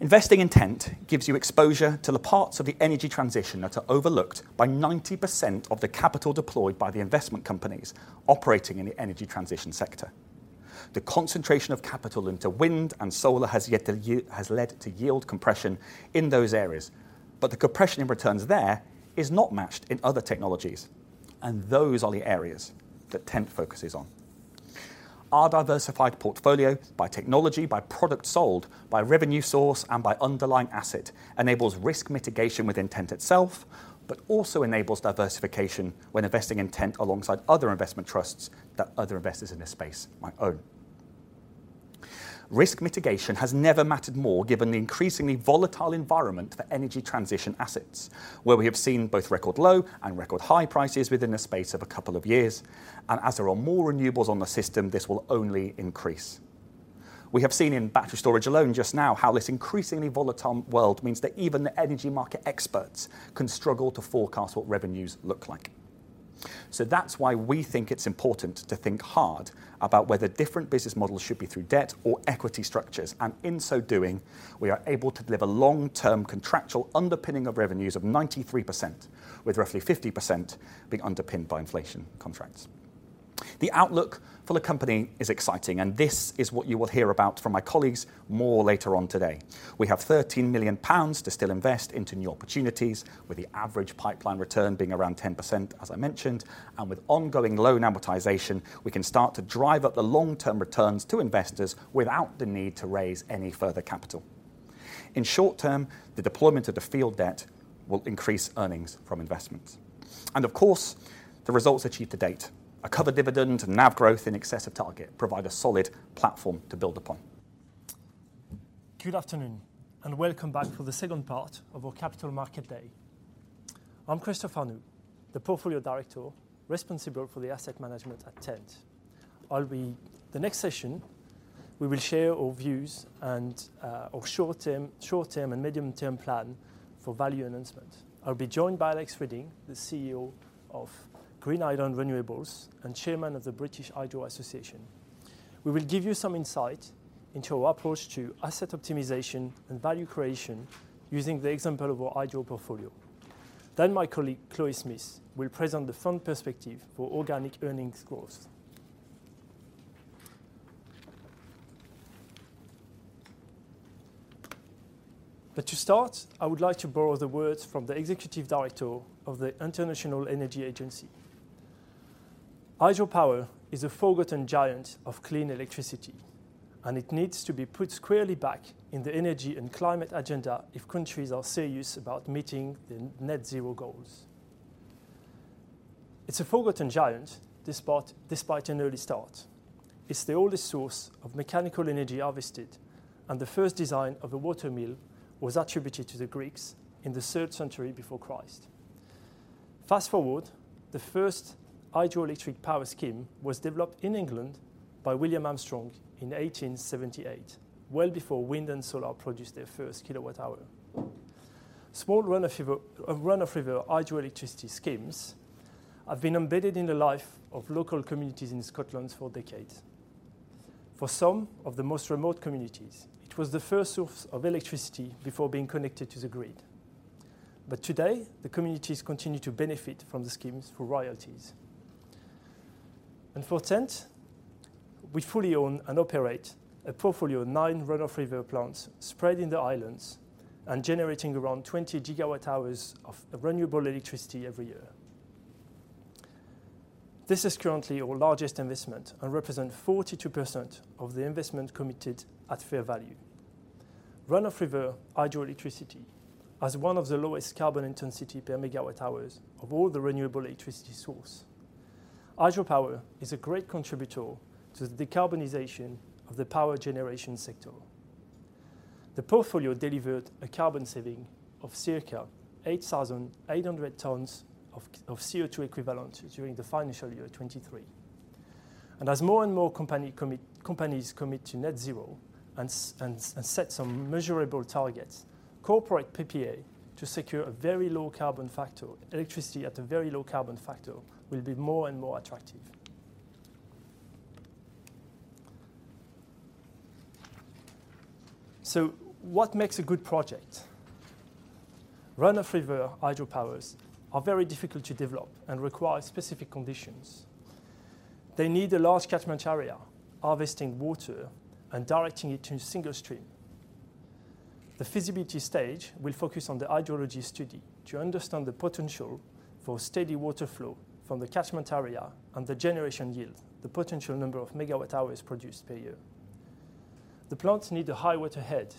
investing in TENT gives you exposure to the parts of the energy transition that are overlooked by 90% of the capital deployed by the investment companies operating in the energy transition sector. The concentration of capital into wind and solar has yet to yield, has led to yield compression in those areas, but the compression in returns there is not matched in other technologies, and those are the areas that TENT focuses on. Our diversified portfolio by technology, by product sold, by revenue source, and by underlying asset enables risk mitigation within TENT itself, but also enables diversification when investing in TENT alongside other investment trusts that other investors in this space might own. Risk mitigation has never mattered more given the increasingly volatile environment for energy transition assets, where we have seen both record low and record high prices within the space of a couple of years, and as there are more renewables on the system, this will only increase. We have seen in battery storage alone just now, how this increasingly volatile world means that even the energy market experts can struggle to forecast what revenues look like. So that's why we think it's important to think hard about whether different business models should be through debt or equity structures, and in so doing, we are able to deliver long-term contractual underpinning of revenues of 93%, with roughly 50% being underpinned by inflation contracts. The outlook for the company is exciting, and this is what you will hear about from my colleagues more later on today. We have 13 million pounds to still invest into new opportunities, with the average pipeline return being around 10%, as I mentioned, and with ongoing loan amortization, we can start to drive up the long-term returns to investors without the need to raise any further capital. In short term, the deployment of the Field debt will increase earnings from investments. And of course, the results achieved to date, a covered dividend and NAV growth in excess of target provide a solid platform to build upon. Good afternoon, and welcome back for the second part of our Capital Market Day. I'm Christophe Arnoult, the portfolio director responsible for the asset management at TENT. I'll be... The next session, we will share our views and our short-term and medium-term plan for value enhancement. I'll be joined by Alex Reading, the Chief Executive Officer of Green Highland Renewables, and Chairman of the British Hydropower Association. We will give you some insight into our approach to asset optimization and value creation using the example of our hydro portfolio. Then my colleague, Chloe Smith, will present the fund perspective for organic earnings growth. But to start, I would like to borrow the words from the Executive Director of the International Energy Agency. Hydropower is a forgotten giant of clean electricity, and it needs to be put squarely back in the energy and climate agenda if countries are serious about meeting the net zero goals. It's a forgotten giant, despite an early start. It's the oldest source of mechanical energy harvested, and the first design of a water mill was attributed to the Greeks in the third century before Christ. Fast forward, the first hydroelectric power scheme was developed in England by William Armstrong in 1878, well before wind and solar produced their first kWh. Small run-of-river, run-of-river hydroelectricity schemes have been embedded in the life of local communities in Scotland for decades. For some of the most remote communities, it was the first source of electricity before being connected to the grid. But today, the communities continue to benefit from the schemes through royalties. For TENT, we fully own and operate a portfolio of nine run-of-river plants spread in the islands and generating around 20 GWh of renewable electricity every year. This is currently our largest investment and represent 42% of the investment committed at fair value. run-of-river hydroelectricity has one of the lowest carbon intensity per MWh of all the renewable electricity source. Hydropower is a great contributor to the decarbonization of the power generation sector. The portfolio delivered a carbon saving of circa 8,800 tons of CO2 equivalent during the financial year 2023. As more and more companies commit to net zero and set some measurable targets, corporate PPA to secure a very low carbon factor electricity at a very low carbon factor will be more and more attractive. So what makes a good project? run-of-river hydropowers are very difficult to develop and require specific conditions. They need a large catchment area, harvesting water and directing it to a single stream. The feasibility stage will focus on the hydrology study to understand the potential for steady water flow from the catchment area and the generation yield, the potential number of MWh produced per year. The plants need a high water head,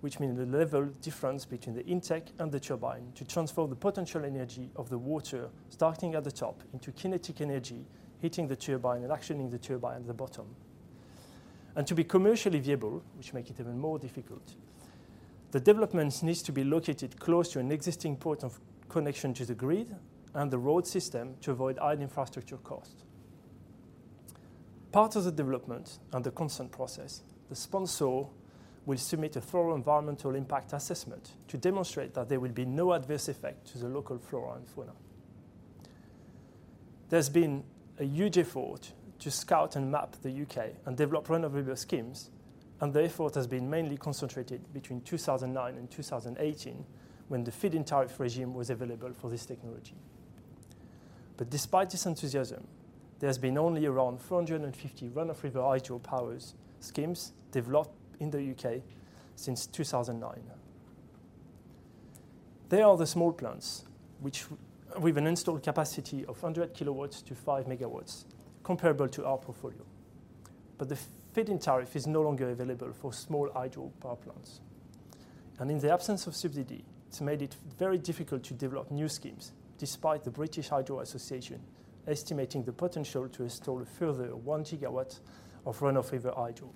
which means the level difference between the intake and the turbine to transfer the potential energy of the water starting at the top into kinetic energy, hitting the turbine and actioning the turbine at the bottom. To be commercially viable, which makes it even more difficult, the development needs to be located close to an existing point of connection to the grid and the road system to avoid high infrastructure costs. Part of the development and the constant process, the sponsor will submit a full environmental impact assessment to demonstrate that there will be no adverse effect to the local flora and fauna. There's been a huge effort to scout and map the U.K and develop run-of-river schemes, and the effort has been mainly concentrated between 2009 and 2018, when the Feed-in Tariff regime was available for this technology. But despite this enthusiasm, there's been only around 450 run-of-river hydropower schemes developed in the U.K since 2009. They are the small plants, which with an installed capacity of 100 kW-5 MW, comparable to our portfolio. But the Feed-in Tariff is no longer available for small hydropower plants. In the absence of subsidy, it's made it very difficult to develop new schemes, despite the British Hydropower Association estimating the potential to install a further 1 GW of run-of-river hydro.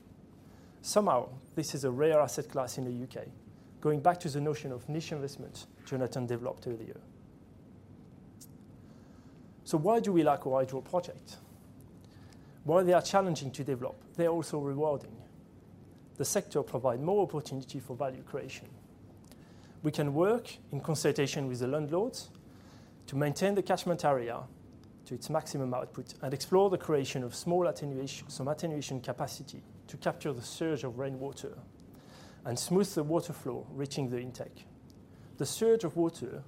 Somehow, this is a rare asset class in the U.K, going back to the notion of niche investment Jonathan developed earlier. Why do we like a hydro project? While they are challenging to develop, they are also rewarding. The sector provide more opportunity for value creation. We can work in consultation with the landlords to maintain the catchment area to its maximum output and explore the creation of small attenuation, some attenuation capacity to capture the surge of rainwater and smooth the water flow reaching the intake. The surge of water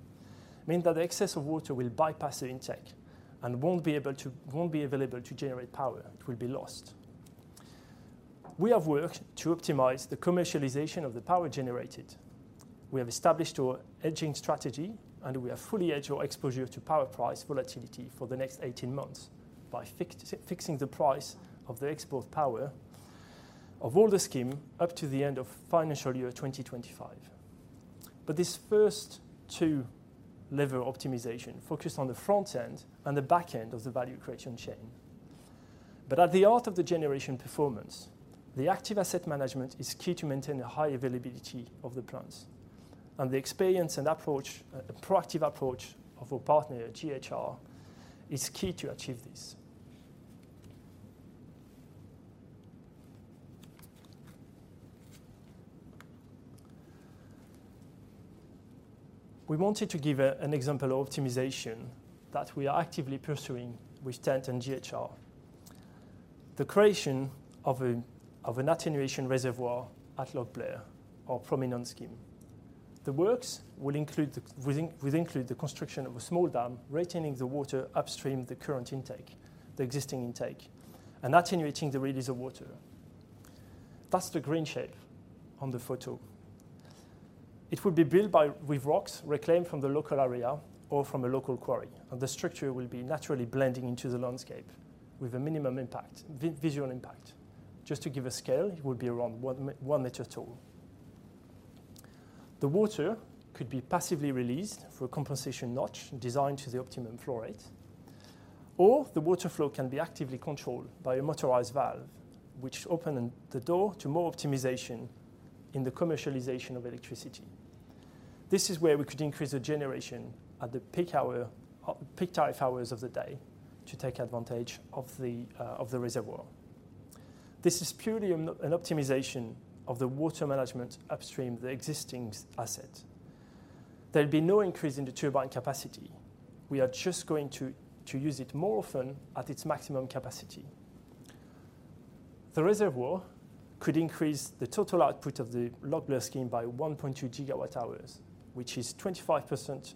means that the excess of water will bypass the intake and won't be available to generate power. It will be lost. We have worked to optimize the commercialization of the power generated. We have established our hedging strategy, and we have fully hedged our exposure to power price volatility for the next 18 months by fixing the price of the export power of all the scheme up to the end of financial year 2025. But this first two-level optimization focused on the front end and the back end of the value creation chain. But at the heart of the generation performance, the active asset management is key to maintain a high availability of the plants, and the experience and approach, the proactive approach of our partner, GHR, is key to achieve this. We wanted to give an example of optimization that we are actively pursuing with TENT and GHR. The creation of an attenuation reservoir at Loch Blair, our prominent scheme. The works will include the construction of a small dam, retaining the water upstream, the existing intake, and attenuating the release of water. That's the green shape on the photo. It will be built with rocks reclaimed from the local area or from a local quarry, and the structure will be naturally blending into the landscape with a minimum visual impact. Just to give a scale, it will be around one meter tall. The water could be passively released through a compensation notch designed to the optimum flow rate, or the water flow can be actively controlled by a motorized valve, which open and the door to more optimization in the commercialization of electricity. This is where we could increase the generation at the peak hour, or peak tariff hours of the day, to take advantage of the reservoir. This is purely an optimization of the water management upstream, the existing asset. There'll be no increase in the turbine capacity. We are just going to use it more often at its maximum capacity. The reservoir could increase the total output of the Loch Blair scheme by 1.2 GWh, which is 25%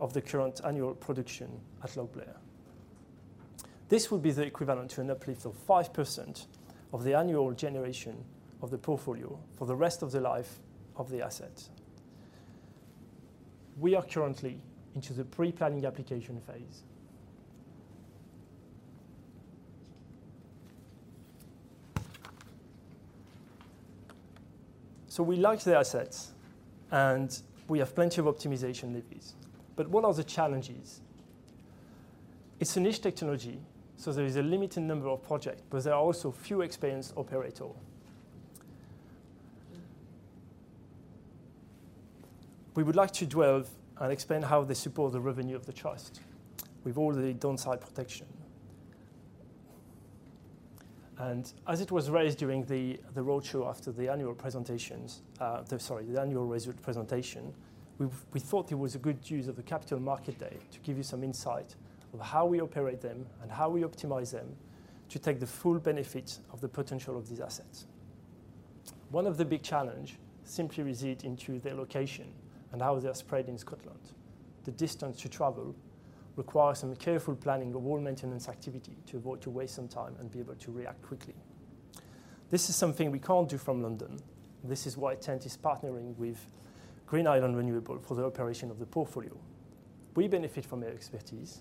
of the current annual production at Loch Blair. This would be the equivalent to an uplift of 5% of the annual generation of the portfolio for the rest of the life of the asset. We are currently into the pre-planning application phase. So we like the assets, and we have plenty of optimization levies. But what are the challenges? It's a niche technology, so there is a limited number of projects, but there are also few experienced operators. We would like to dwell and explain how they support the revenue of the trust with all the downside protection. As it was raised during the roadshow after the annual result presentation, we thought it was a good use of the Capital Market Day to give you some insight into how we operate them and how we optimize them to take the full benefit of the potential of these assets. One of the big challenge simply resides in their location and how they are spread in Scotland. The distance to travel requires some careful planning of all maintenance activity to avoid wasting some time and be able to react quickly. This is something we can't do from London. This is why TENT is partnering with Green Highland Renewables for the operation of the portfolio. We benefit from their expertise,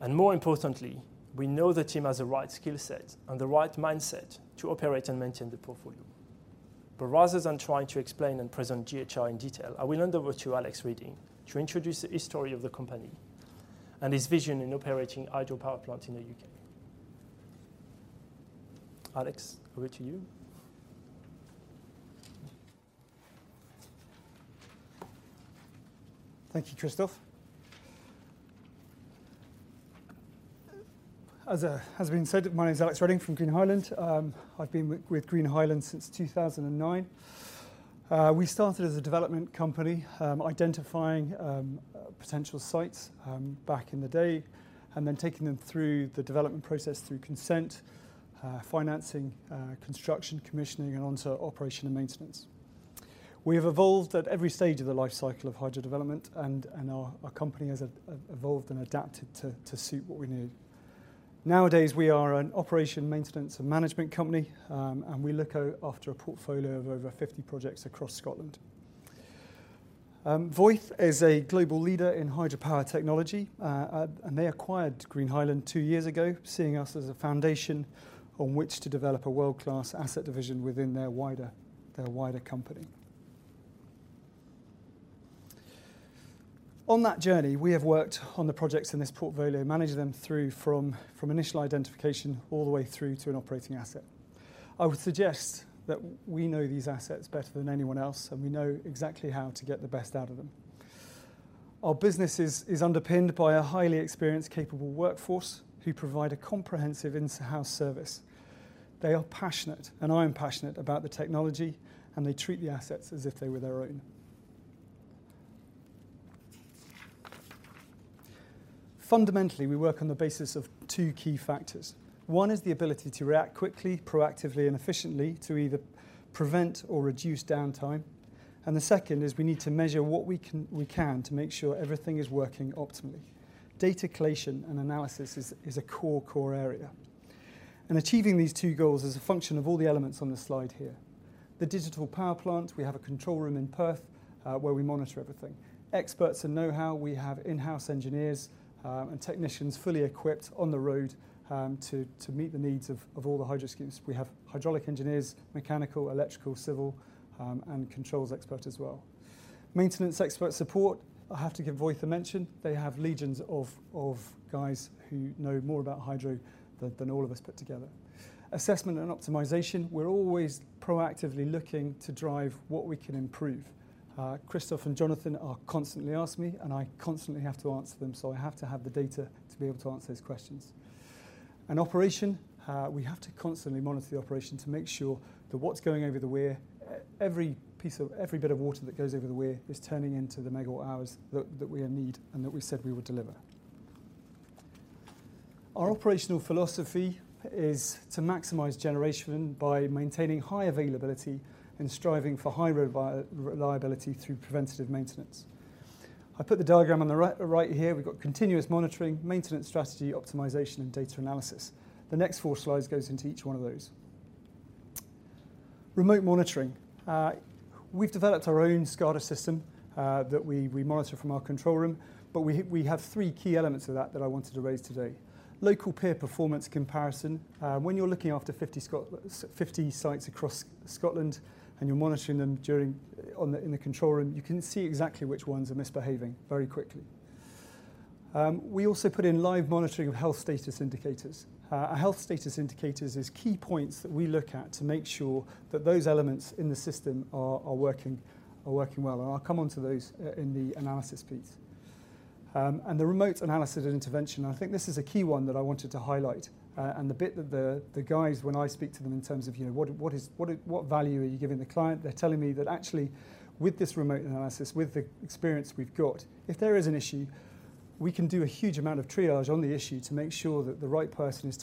and more importantly, we know the team has the right skill set and the right mindset to operate and maintain the portfolio. But rather than trying to explain and present GHR in detail, I will hand over to Alex Reading to introduce the history of the company and his vision in operating hydropower plants in the U.K. Alex, over to you. Thank you, Christophe. As has been said, my name is Alex Reading from Green Highland. I've been with Green Highland since 2009. We started as a development company, identifying potential sites back in the day, and then taking them through the development process, through consent, financing, construction, commissioning, and onto operation and maintenance. We have evolved at every stage of the lifecycle of hydro development and our company has evolved and adapted to suit what we need. Nowadays, we are an operation, maintenance, and management company, and we look after a portfolio of over 50 projects across Scotland. Voith is a global leader in hydropower technology, and they acquired Green Highland two years ago, seeing us as a foundation on which to develop a world-class asset division within their wider company. On that journey, we have worked on the projects in this portfolio, managed them through from initial identification all the way through to an operating asset. I would suggest that we know these assets better than anyone else, and we know exactly how to get the best out of them. Our business is underpinned by a highly experienced, capable workforce who provide a comprehensive in-house service. They are passionate, and I am passionate about the technology, and they treat the assets as if they were their own. Fundamentally, we work on the basis of two key factors. One is the ability to react quickly, proactively and efficiently to either prevent or reduce downtime. The second is we need to measure what we can to make sure everything is working optimally. Data collation and analysis is a core area. Achieving these two goals is a function of all the elements on the slide here. The digital power plant, we have a control room in Perth, where we monitor everything. Experts and know-how, we have in-house engineers and technicians fully equipped on the road to meet the needs of all the hydro schemes. We have hydraulic engineers, mechanical, electrical, civil and controls expert as well. Maintenance expert support, I have to give Voith a mention. They have legions of guys who know more about hydro than all of us put together. Assessment and optimization, we're always proactively looking to drive what we can improve. Christophe and Jonathan are constantly asking me, and I constantly have to answer them, so I have to have the data to be able to answer those questions. Operation, we have to constantly monitor the operation to make sure that what's going over the weir, every bit of water that goes over the weir is turning into the MWh that we need and that we said we would deliver. Our operational philosophy is to maximize generation by maintaining high availability and striving for high reliability through preventative maintenance. I put the diagram on the right here. We've got continuous monitoring, maintenance strategy, optimization, and data analysis. The next four slides goes into each one of those. Remote monitoring. We've developed our own SCADA system that we monitor from our control room, but we have three key elements of that that I wanted to raise today. Local peer performance comparison. When you're looking after 50 sites across Scotland, and you're monitoring them in the control room, you can see exactly which ones are misbehaving very quickly. We also put in live monitoring of health status indicators. Our health status indicators is key points that we look at to make sure that those elements in the system are working well, and I'll come on to those in the analysis piece. And the remote analysis and intervention, I think this is a key one that I wanted to highlight. and the bit that the guys, when I speak to them in terms of, you know, "What is value are you giving the client?" They're telling me that actually, with this remote analysis, with the experience we've got, if there is an issue, we can do a huge amount of triage on the issue to make sure that the right person is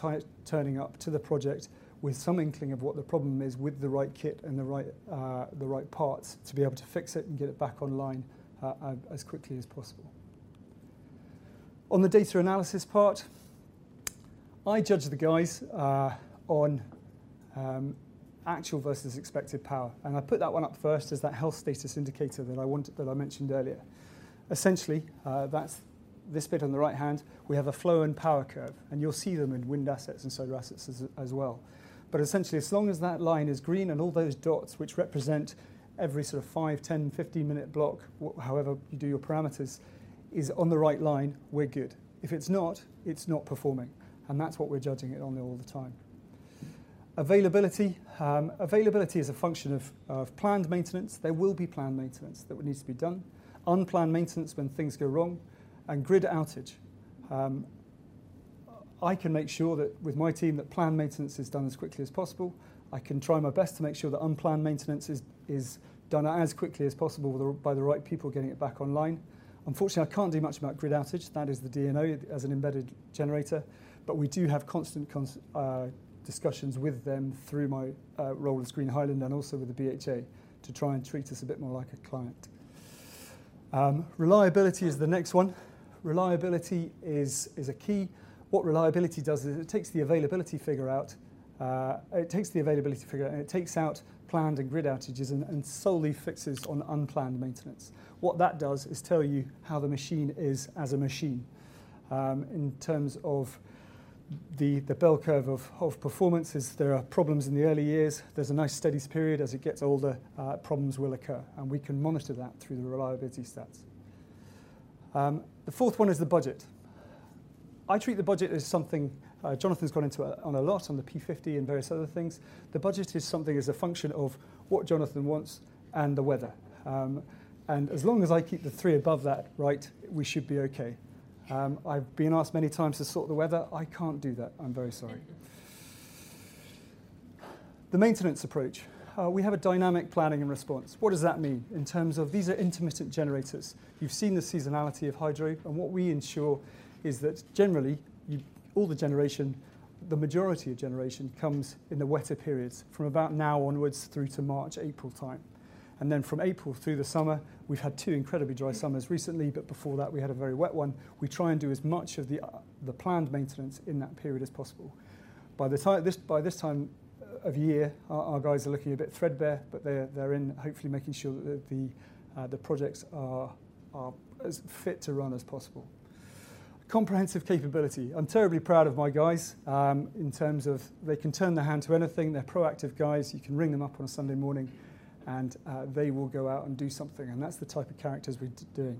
turning up to the project with some inkling of what the problem is, with the right kit and the right parts to be able to fix it and get it back online as quickly as possible. On the data analysis part, I judge the guys on actual versus expected power, and I put that one up first as that health status indicator that I wanted, that I mentioned earlier. Essentially, that's this bit on the right hand, we have a flow and power curve, and you'll see them in wind assets and solar assets as well. But essentially, as long as that line is green and all those dots, which represent every sort of 5, 10, 15-minute block, however you do your parameters, is on the right line, we're good. If it's not, it's not performing, and that's what we're judging it on all the time. Availability. Availability is a function of planned maintenance. There will be planned maintenance that will needs to be done. Unplanned maintenance, when things go wrong, and grid outage. I can make sure that with my team, that planned maintenance is done as quickly as possible. I can try my best to make sure that unplanned maintenance is done as quickly as possible by the right people getting it back online. Unfortunately, I can't do much about grid outage. That is the DNO as an embedded generator, but we do have constant discussions with them through my role as Green Highland and also with the BHA, to try and treat us a bit more like a client. Reliability is the next one. Reliability is a key. What reliability does is it takes the availability figure out. It takes the availability figure, and it takes out planned and grid outages and solely focuses on unplanned maintenance. What that does is tell you how the machine is as a machine. In terms of the bell curve of performances, there are problems in the early years. There's a nice, steady period. As it gets older, problems will occur, and we can monitor that through the reliability stats. The fourth one is the budget. I treat the budget as something, Jonathan's gone into a lot on the P50 and various other things. The budget is something as a function of what Jonathan wants and the weather. And as long as I keep the three above that, right, we should be okay. I've been asked many times to sort the weather. I can't do that. I'm very sorry. The maintenance approach. We have a dynamic planning and response. What does that mean? In terms of these are intermittent generators. You've seen the seasonality of hydro, and what we ensure is that generally, you, all the generation, the majority of generation comes in the wetter periods, from about now onwards through to March, April time, and then from April through the summer. We've had two incredibly dry summers recently, but before that, we had a very wet one. We try and do as much of the planned maintenance in that period as possible. By this time of year, our guys are looking a bit threadbare, but they're in hopefully making sure that the projects are as fit to run as possible. Comprehensive capability. I'm terribly proud of my guys in terms of they can turn their hand to anything. They're proactive guys. You can ring them up on a Sunday morning, and, they will go out and do something, and that's the type of characters we're doing.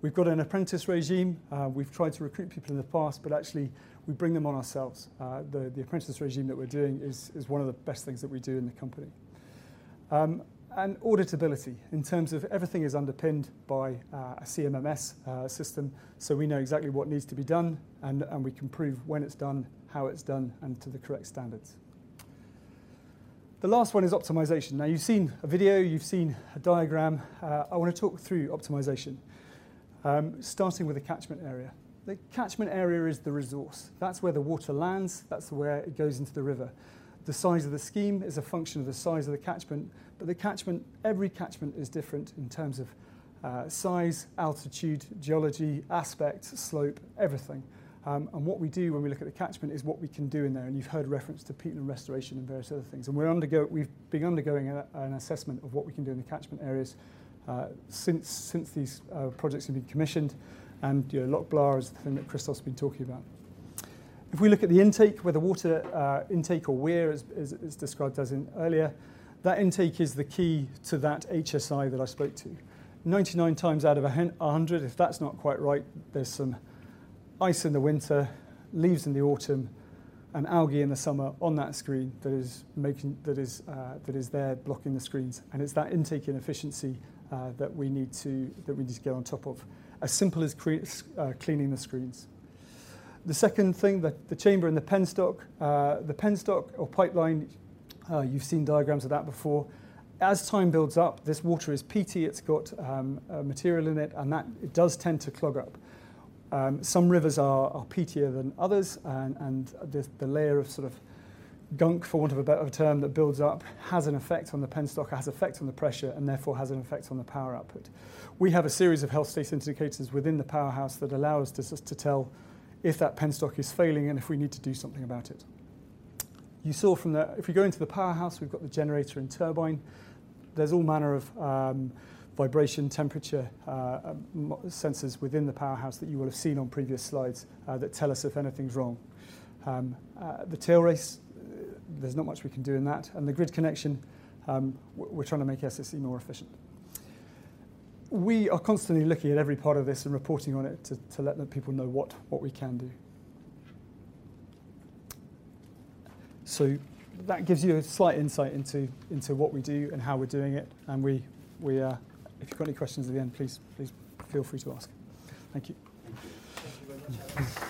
We've got an apprentice regime. We've tried to recruit people in the past, but actually, we bring them on ourselves. The apprentice regime that we're doing is one of the best things that we do in the company. And auditability, in terms of everything is underpinned by a CMMS system, so we know exactly what needs to be done, and we can prove when it's done, how it's done, and to the correct standards. The last one is optimization. Now, you've seen a video, you've seen a diagram. I wanna talk through optimization, starting with the catchment area. The catchment area is the resource. That's where the water lands. That's where it goes into the river. The size of the scheme is a function of the size of the catchment, but the catchment, every catchment is different in terms of size, altitude, geology, aspect, slope, everything. And what we do when we look at the catchment is what we can do in there, and you've heard reference to peatland restoration and various other things. And we've been undergoing an assessment of what we can do in the catchment areas, since these projects have been commissioned, and, you know, Loch Blair is the thing that Christophe has been talking about. If we look at the intake, where the water intake or weir as described earlier, that intake is the key to that HSI that I spoke to. 99 times out of 100, if that's not quite right, there's some ice in the winter, leaves in the autumn, and algae in the summer on that screen that is making that is there blocking the screens, and it's that intake inefficiency that we need to get on top of. As simple as cleaning the screens. The second thing, the chamber and the penstock. The penstock or pipeline, you've seen diagrams of that before. As time builds up, this water is peaty, it's got material in it, and that it does tend to clog up. Some rivers are peatier than others, and the layer of sort of gunk, for want of a better term, that builds up has an effect on the penstock, has effect on the pressure, and therefore has an effect on the power output. We have a series of health state indicators within the powerhouse that allow us to tell if that penstock is failing and if we need to do something about it. You saw from there, if we go into the powerhouse, we've got the generator and turbine. There's all manner of vibration, temperature sensors within the powerhouse that you will have seen on previous slides that tell us if anything's wrong. The tailrace, there's not much we can do in that, and the grid connection, we're trying to make SSE more efficient. We are constantly looking at every part of this and reporting on it to let the people know what we can do. So that gives you a slight insight into what we do and how we're doing it, and we... If you've got any questions at the end, please feel free to ask. Thank you. Thank you. Thank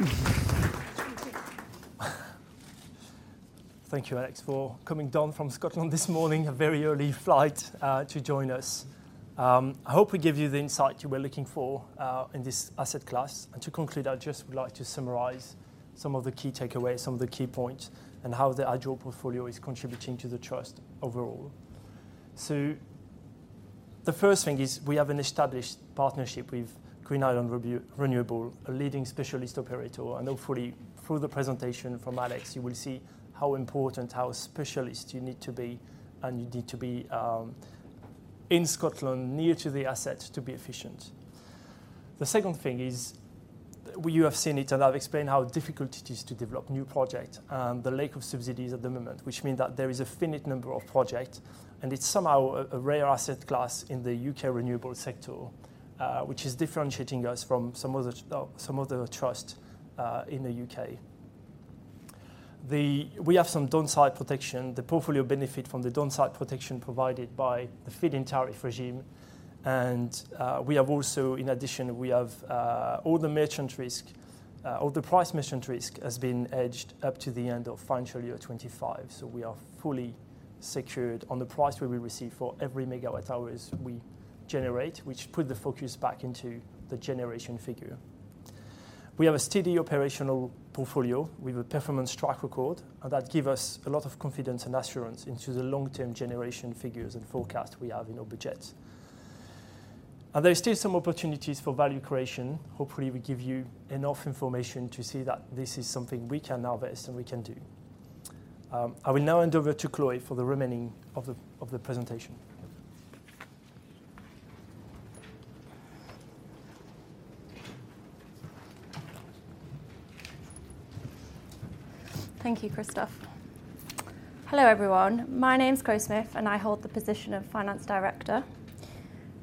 you very much, Alex. Thank you, Alex, for coming down from Scotland this morning, a very early flight, to join us. I hope we give you the insight you were looking for, in this asset class. And to conclude, I just would like to summarize some of the key takeaways, some of the key points, and how the hydro portfolio is contributing to the trust overall. So the first thing is we have an established partnership with Green Highland Renewables, a leading specialist operator, and hopefully through the presentation from Alex, you will see how important, how specialist you need to be, and you need to be, in Scotland, near to the asset to be efficient. The second thing is, you have seen it, and I've explained how difficult it is to develop new project and the lack of subsidies at the moment, which mean that there is a finite number of project, and it's somehow a rare asset class in the U.K renewable sector, which is differentiating us from some other trust in the U.K. We have some downside protection. The portfolio benefit from the downside protection provided by the Feed-in Tariff regime, and we have also, in addition, we have all the merchant risk, all the price merchant risk has been hedged up to the end of financial year 2025, so we are fully secured on the price we will receive for every MWh we generate, which put the focus back into the generation figure. We have a steady operational portfolio with a performance track record, and that give us a lot of confidence and assurance into the long-term generation figures and forecast we have in our budget. There are still some opportunities for value creation. Hopefully, we give you enough information to see that this is something we can harvest and we can do. I will now hand over to Chloe for the remaining of the presentation. Thank you, Christophe. Hello, everyone. My name's Chloe Smith, and I hold the position of Finance Director.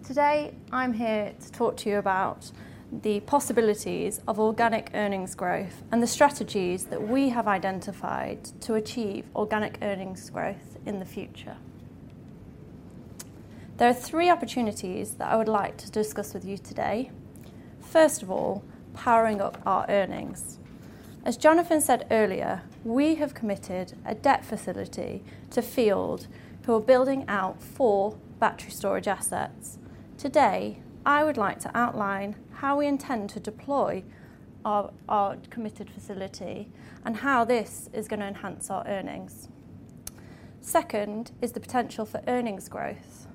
Today, I'm here to talk to you about the possibilities of organic earnings growth and the strategies that we have identified to achieve organic earnings growth in the future. There are three opportunities that I would like to discuss with you today. First of all, powering up our earnings. As Jonathan said earlier, we have committed a debt facility to Field, who are building out four battery storage assets. Today, I would like to outline how we intend to deploy our committed facility and how this is gonna enhance our earnings. Second, is the potential for earnings growth.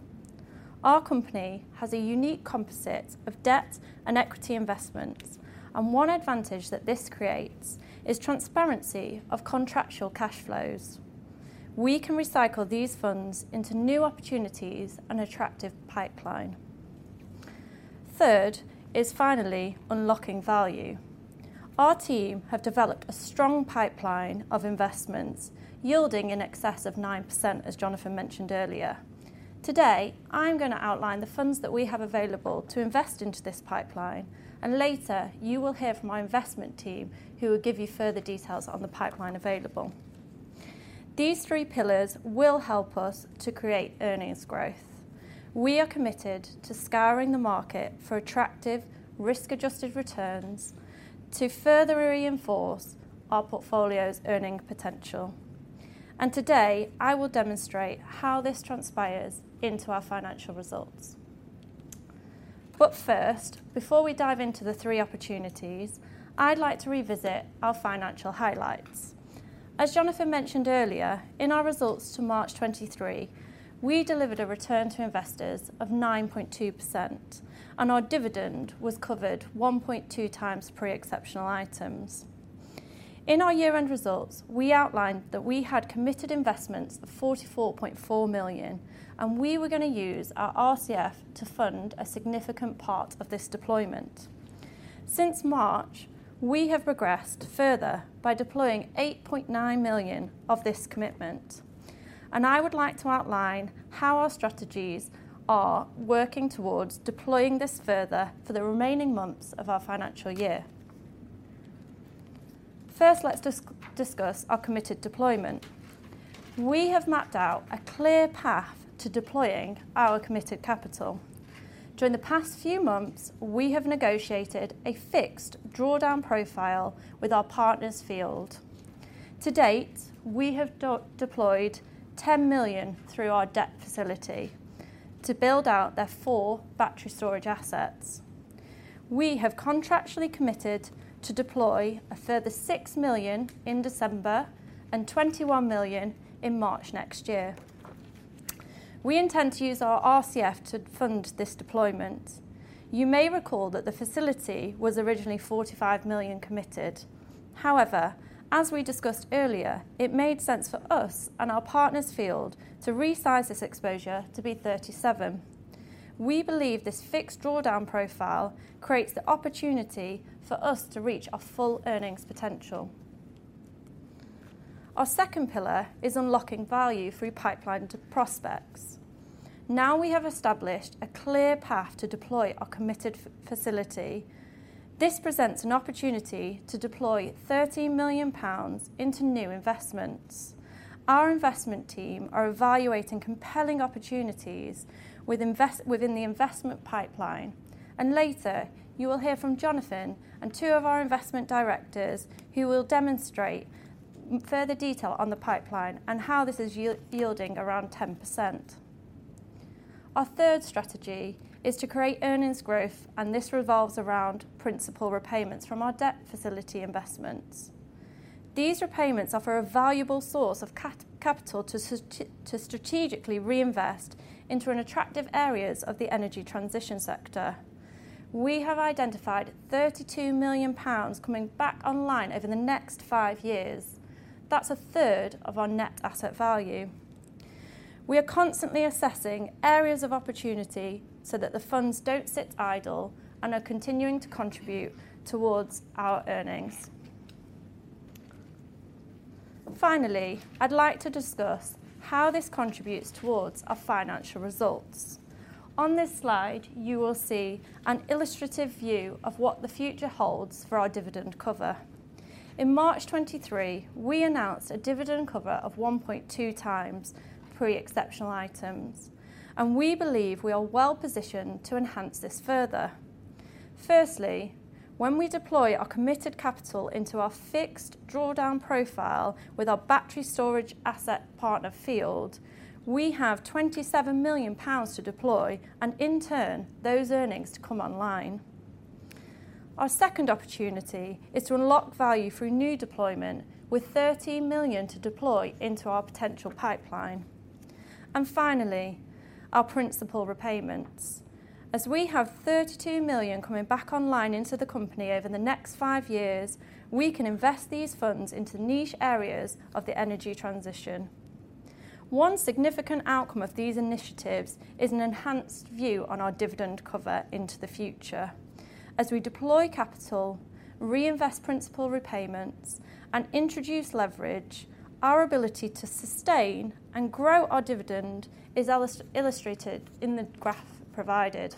Our company has a unique composite of debt and equity investments, and one advantage that this creates is transparency of contractual cash flows. We can recycle these funds into new opportunities and attractive pipeline. Third is finally unlocking value. Our team have developed a strong pipeline of investments, yielding in excess of 9%, as Jonathan mentioned earlier. Today, I'm gonna outline the funds that we have available to invest into this pipeline, and later, you will hear from my investment team, who will give you further details on the pipeline available. These three pillars will help us to create earnings growth. We are committed to scouring the market for attractive risk-adjusted returns to further reinforce our portfolio's earning potential. Today, I will demonstrate how this transpires into our financial results. But first, before we dive into the three opportunities, I'd like to revisit our financial highlights. As Jonathan mentioned earlier, in our results to March 2023, we delivered a return to investors of 9.2%, and our dividend was covered 1.2 times pre-exceptional items. In our year-end results, we outlined that we had committed investments of 44.4 million, and we were gonna use our RCF to fund a significant part of this deployment. Since March, we have progressed further by deploying 8.9 million of this commitment, and I would like to outline how our strategies are working towards deploying this further for the remaining months of our financial year. First, let's discuss our committed deployment. We have mapped out a clear path to deploying our committed capital. During the past few months, we have negotiated a fixed drawdown profile with our partners, Field. To date, we have deployed 10 million through our debt facility to build out the four battery storage assets. We have contractually committed to deploy a further 6 million in December and 21 million in March next year. We intend to use our RCF to fund this deployment. You may recall that the facility was originally 45 million committed. However, as we discussed earlier, it made sense for us and our partners, Field, to resize this exposure to be 37 million. We believe this fixed drawdown profile creates the opportunity for us to reach our full earnings potential. Our second pillar is unlocking value through pipeline to prospects. Now, we have established a clear path to deploy our committed facility. This presents an opportunity to deploy 13 million pounds into new investments. Our investment team are evaluating compelling opportunities within the investment pipeline, and later, you will hear from Jonathan and two of our investment directors, who will demonstrate further detail on the pipeline and how this is yielding around 10%. Our third strategy is to create earnings growth, and this revolves around principal repayments from our debt facility investments. These repayments offer a valuable source of capital to strategically reinvest into attractive areas of the energy transition sector. We have identified 32 million pounds coming back online over the next 5 years. That's a third of our net asset value. We are constantly assessing areas of opportunity so that the funds don't sit idle and are continuing to contribute towards our earnings. Finally, I'd like to discuss how this contributes towards our financial results. On this slide, you will see an illustrative view of what the future holds for our dividend cover. In March 2023, we announced a dividend cover of 1.2 times pre-exceptional items, and we believe we are well-positioned to enhance this further. Firstly, when we deploy our committed capital into our fixed drawdown profile with our battery storage asset partner, Field, we have 27 million pounds to deploy, and in turn, those earnings to come online. Our second opportunity is to unlock value through new deployment, with 13 million to deploy into our potential pipeline. Finally, our principal repayments. As we have 32 million coming back online into the company over the next five years, we can invest these funds into niche areas of the energy transition. One significant outcome of these initiatives is an enhanced view on our dividend cover into the future. As we deploy capital, reinvest principal repayments, and introduce leverage, our ability to sustain and grow our dividend is illustrated in the graph provided.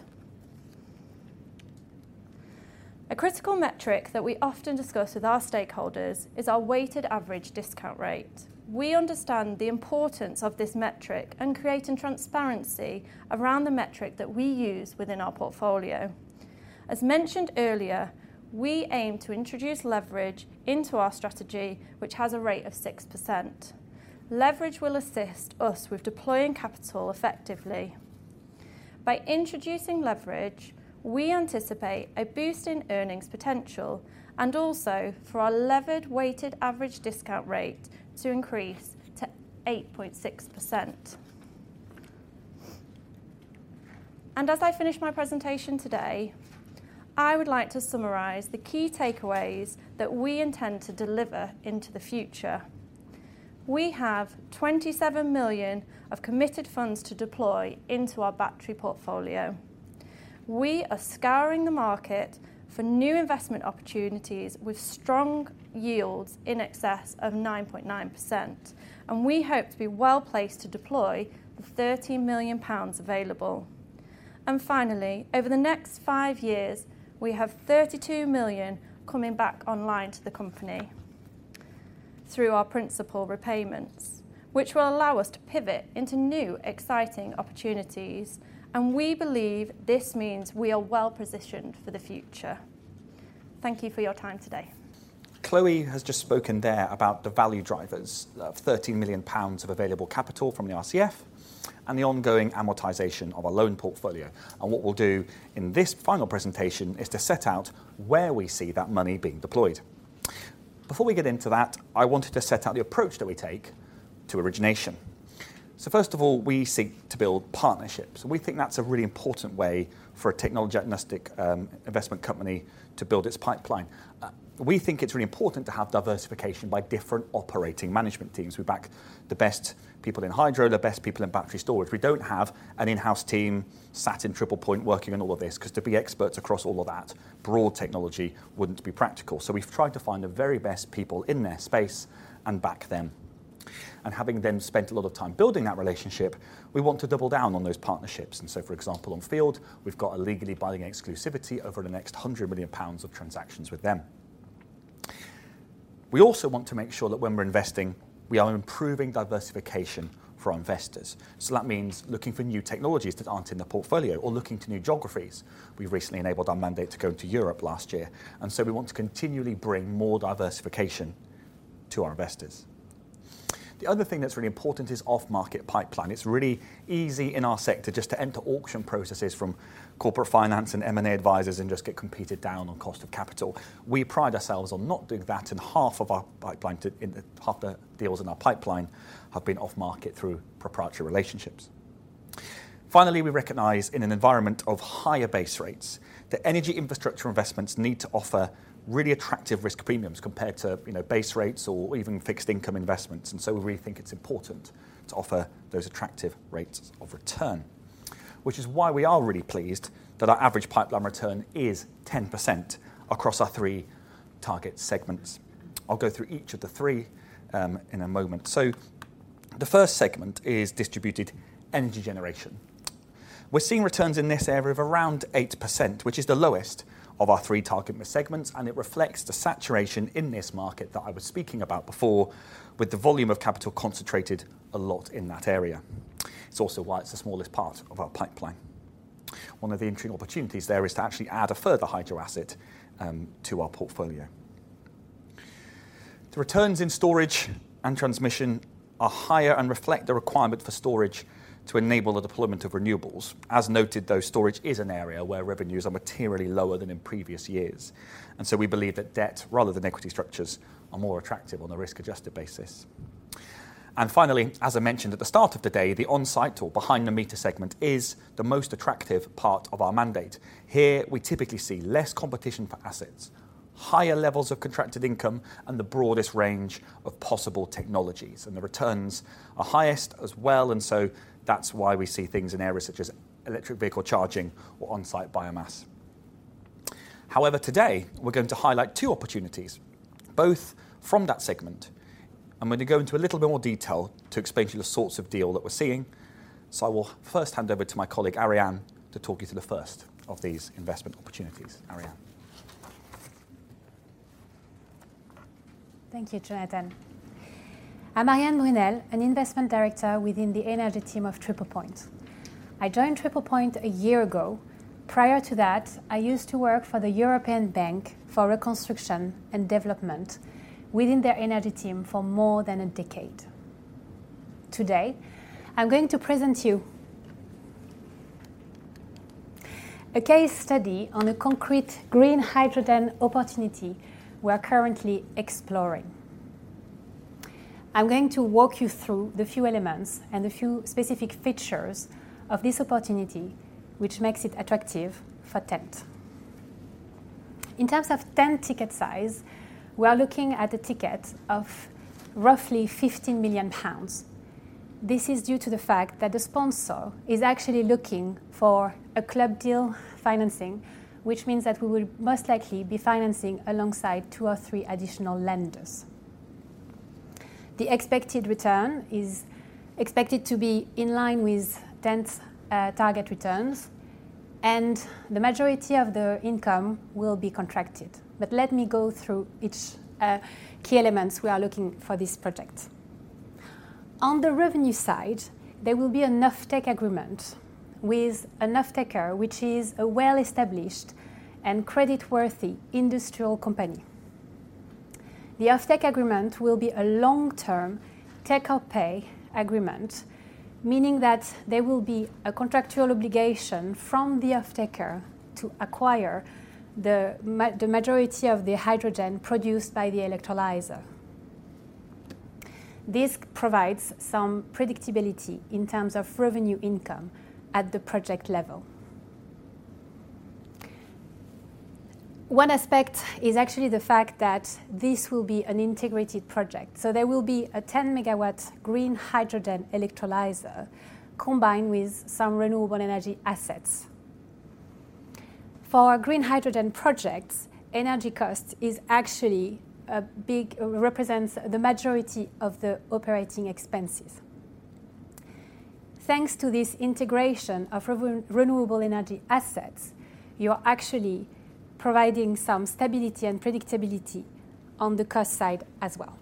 A critical metric that we often discuss with our stakeholders is our weighted average discount rate. We understand the importance of this metric and creating transparency around the metric that we use within our portfolio. As mentioned earlier, we aim to introduce leverage into our strategy, which has a rate of 6%. Leverage will assist us with deploying capital effectively. By introducing leverage, we anticipate a boost in earnings potential, and also for our levered weighted average discount rate to increase to 8.6%. As I finish my presentation today, I would like to summarize the key takeaways that we intend to deliver into the future. We have 27 million of committed funds to deploy into our battery portfolio. We are scouring the market for new investment opportunities with strong yields in excess of 9.9%, and we hope to be well-placed to deploy the 13 million pounds available. And finally, over the next five years, we have 32 million coming back online to the company through our principal repayments, which will allow us to pivot into new, exciting opportunities, and we believe this means we are well-positioned for the future. Thank you for your time today. Chloe has just spoken there about the value drivers of 13 million pounds of available capital from the RCF and the ongoing amortization of our loan portfolio, and what we'll do in this final presentation is to set out where we see that money being deployed. Before we get into that, I wanted to set out the approach that we take to origination. So first of all, we seek to build partnerships, and we think that's a really important way for a technology-agnostic investment company to build its pipeline. We think it's really important to have diversification by different operating management teams. We back the best people in hydro, the best people in battery storage. We don't have an in-house team sat in Triple Point working on all of this, 'cause to be experts across all of that broad technology wouldn't be practical. So we've tried to find the very best people in their space and back them. And having then spent a lot of time building that relationship, we want to double down on those partnerships, and so, for example, on Field, we've got a legally binding exclusivity over the next 100 million pounds of transactions with them. We also want to make sure that when we're investing, we are improving diversification for our investors. So that means looking for new technologies that aren't in the portfolio or looking to new geographies. We recently enabled our mandate to go into Europe last year, and so we want to continually bring more diversification to our investors. The other thing that's really important is off-market pipeline. It's really easy in our sector just to enter auction processes from corporate finance and M&A advisors and just get competed down on cost of capital. We pride ourselves on not doing that, and half of our pipeline, half the deals in our pipeline have been off-market through proprietary relationships. Finally, we recognize in an environment of higher base rates, that energy infrastructure investments need to offer really attractive risk premiums compared to, you know, base rates or even fixed income investments. And so we really think it's important to offer those attractive rates of return. Which is why we are really pleased that our average pipeline return is 10% across our three target segments. I'll go through each of the three in a moment. So the first segment is distributed energy generation. We're seeing returns in this area of around 8%, which is the lowest of our three target segments, and it reflects the saturation in this market that I was speaking about before, with the volume of capital concentrated a lot in that area. It's also why it's the smallest part of our pipeline. One of the interesting opportunities there is to actually add a further hydro asset to our portfolio. The returns in storage and transmission are higher and reflect the requirement for storage to enable the deployment of renewables. As noted, though, storage is an area where revenues are materially lower than in previous years, and so we believe that debt, rather than equity structures, are more attractive on a risk-adjusted basis. Finally, as I mentioned at the start of the day, the on-site or behind the meter segment is the most attractive part of our mandate. Here, we typically see less competition for assets, higher levels of contracted income, and the broadest range of possible technologies, and the returns are highest as well, and so that's why we see things in areas such as electric vehicle charging or on-site biomass. However, today we're going to highlight two opportunities, both from that segment. I'm going to go into a little bit more detail to explain to you the sorts of deal that we're seeing. I will first hand over to my colleague, Ariane, to talk you through the first of these investment opportunities. Ariane? Thank you, Jonathan. I'm Ariane Brunel, an investment director within the energy team of Triple Point. I joined Triple Point a year ago. Prior to that, I used to work for the European Bank for Reconstruction and Development within their energy team for more than a decade. Today, I'm going to present you a case study on a concrete green hydrogen opportunity we are currently exploring. I'm going to walk you through the few elements and the few specific features of this opportunity, which makes it attractive for TENT. In terms of TENT ticket size, we are looking at a ticket of roughly 15 million pounds. This is due to the fact that the sponsor is actually looking for a club deal financing, which means that we will most likely be financing alongside two or three additional lenders. The expected return is expected to be in line with TENT's target returns, and the majority of the income will be contracted. But let me go through each key elements we are looking for this project. On the revenue side, there will be an offtake agreement with an offtaker, which is a well-established and creditworthy industrial company. The offtake agreement will be a long-term take-or-pay agreement, meaning that there will be a contractual obligation from the offtaker to acquire the majority of the hydrogen produced by the electrolyzer. This provides some predictability in terms of revenue income at the project level. One aspect is actually the fact that this will be an integrated project, so there will be a 10-MW green hydrogen electrolyzer combined with some renewable energy assets. For green hydrogen projects, energy cost is actually a big... represents the majority of the operating expenses. Thanks to this integration of renewable energy assets, you're actually providing some stability and predictability on the cost side as well.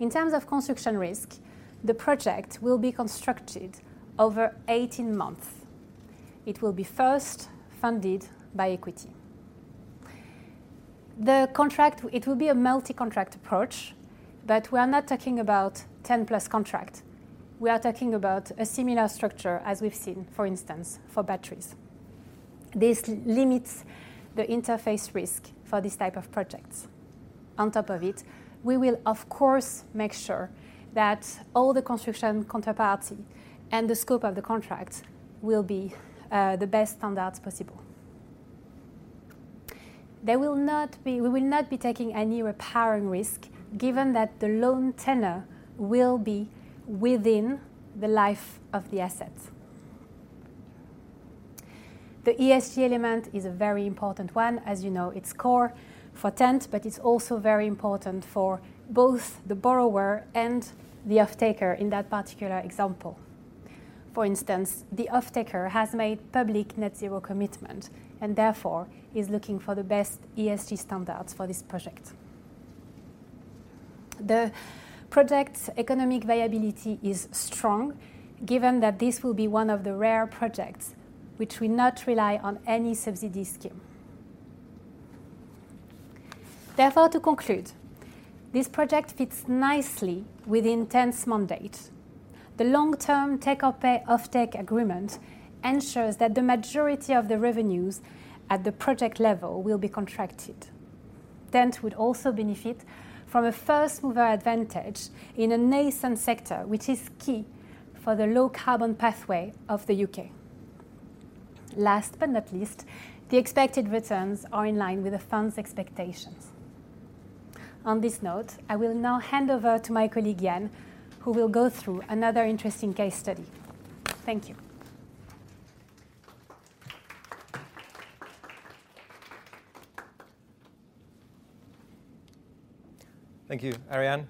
In terms of construction risk, the project will be constructed over 18 months. It will be first funded by equity. The contract, it will be a multi-contract approach, but we are not talking about 10-plus contract. We are talking about a similar structure as we've seen, for instance, for batteries. This limits the interface risk for this type of project. On top of it, we will, of course, make sure that all the construction counterparty and the scope of the contract will be the best standards possible. We will not be taking any repairing risk, given that the loan tenor will be within the life of the asset. The ESG element is a very important one. As you know, it's core for TENT, but it's also very important for both the borrower and the offtaker in that particular example. For instance, the offtaker has made public net zero commitment, and therefore is looking for the best ESG standards for this project. The project's economic viability is strong, given that this will be one of the rare projects which will not rely on any subsidy scheme. Therefore, to conclude, this project fits nicely with the TENT's mandate. The long-term take or pay offtake agreement ensures that the majority of the revenues at the project level will be contracted. TENT would also benefit from a first mover advantage in a nascent sector, which is key for the low carbon pathway of the U.K. Last but not least, the expected returns are in line with the fund's expectations. On this note, I will now hand over to my colleague, Jan, who will go through another interesting case study. Thank you. Thank you, Ariane.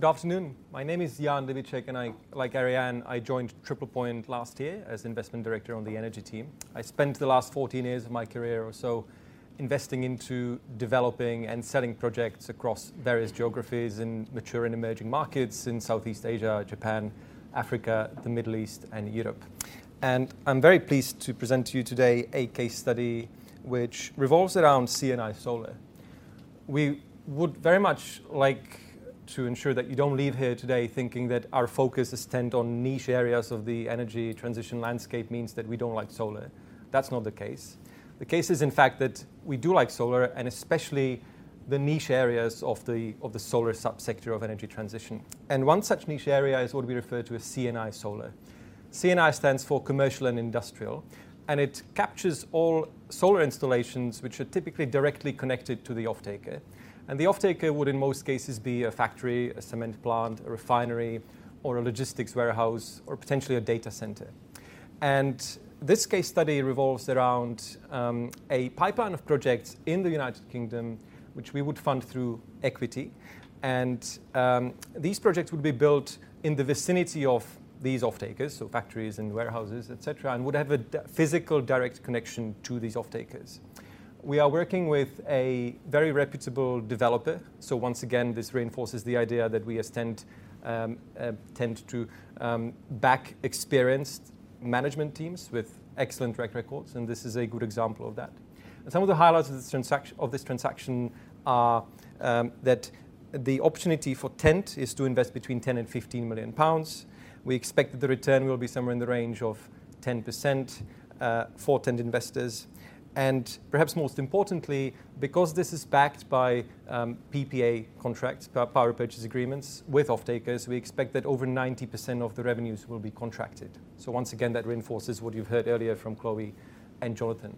Good afternoon. My name is Jan Libicek, and I, like Ariane, I joined Triple Point last year as Investment Director on the energy team. I spent the last 14 years of my career or so investing into developing and selling projects across various geographies in mature and emerging markets in Southeast Asia, Japan, Africa, the Middle East, and Europe. I'm very pleased to present to you today a case study which revolves around C&I solar. We would very much like to ensure that you don't leave here today thinking that our focus is TENT on niche areas of the energy transition landscape means that we don't like solar. That's not the case. The case is, in fact, that we do like solar, and especially the niche areas of the solar subsector of energy transition. One such niche area is what we refer to as C&I solar. C&I stands for commercial and industrial, and it captures all solar installations, which are typically directly connected to the offtaker. The offtaker would, in most cases, be a factory, a cement plant, a refinery, or a logistics warehouse, or potentially a data center. This case study revolves around a pipeline of projects in the United Kingdom, which we would fund through equity. These projects would be built in the vicinity of these offtakers, so factories and warehouses, etc. and would have a physical, direct connection to these offtakers. We are working with a very reputable developer, so once again, this reinforces the idea that we, as TENT, tend to back experienced management teams with excellent track records, and this is a good example of that. Some of the highlights of this transaction are, that the opportunity for TENT is to invest between 10 million and 15 million pounds. We expect that the return will be somewhere in the range of 10% for TENT investors. And perhaps most importantly, because this is backed by PPA contracts, power purchase agreements, with offtakers, we expect that over 90% of the revenues will be contracted. So once again, that reinforces what you've heard earlier from Chloe and Jonathan.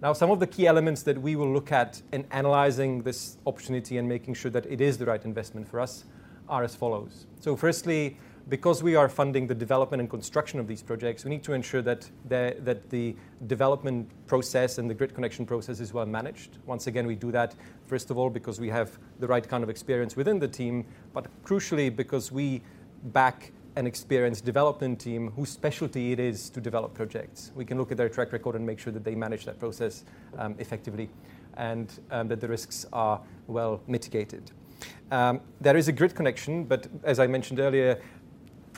Now, some of the key elements that we will look at in analyzing this opportunity and making sure that it is the right investment for us are as follows. So firstly, because we are funding the development and construction of these projects, we need to ensure that the development process and the grid connection process is well managed. Once again, we do that, first of all, because we have the right kind of experience within the team, but crucially, because we back an experienced development team whose specialty it is to develop projects. We can look at their track record and make sure that they manage that process effectively, and that the risks are well mitigated. There is a grid connection, but as I mentioned earlier,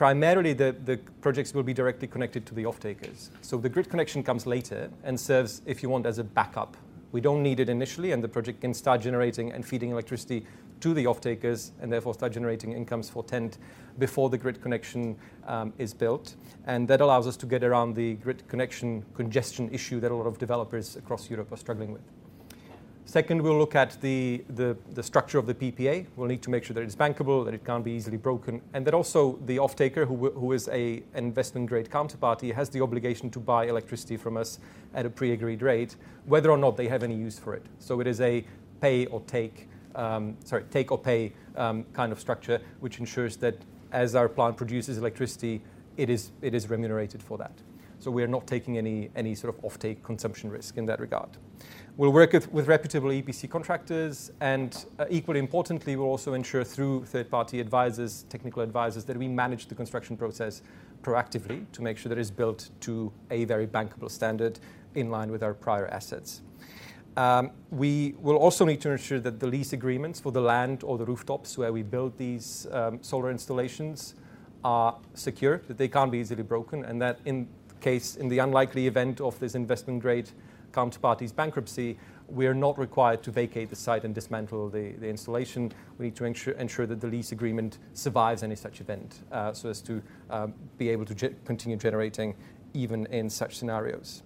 primarily, the projects will be directly connected to the offtakers. So the grid connection comes later and serves, if you want, as a backup. We don't need it initially, and the project can start generating and feeding electricity to the offtakers, and therefore start generating incomes for TENT before the grid connection is built. And that allows us to get around the grid connection congestion issue that a lot of developers across Europe are struggling with. Second, we'll look at the structure of the PPA. We'll need to make sure that it's bankable, that it can't be easily broken, and that also the offtaker, who is a, an investment-grade counterparty, has the obligation to buy electricity from us at a pre-agreed rate, whether or not they have any use for it. So it is a pay or take, take or pay kind of structure, which ensures that as our plant produces electricity, it is remunerated for that. So we are not taking any sort of offtake consumption risk in that regard. We'll work with reputable EPC contractors, and equally importantly, we'll also ensure through third-party advisors, technical advisors, that we manage the construction process proactively to make sure that it's built to a very bankable standard in line with our prior assets. We will also need to ensure that the lease agreements for the land or the rooftops where we build these solar installations are secure, that they can't be easily broken, and that in case, in the unlikely event of this investment-grade counterparty's bankruptcy, we are not required to vacate the site and dismantle the installation. We need to ensure that the lease agreement survives any such event, so as to be able to continue generating even in such scenarios.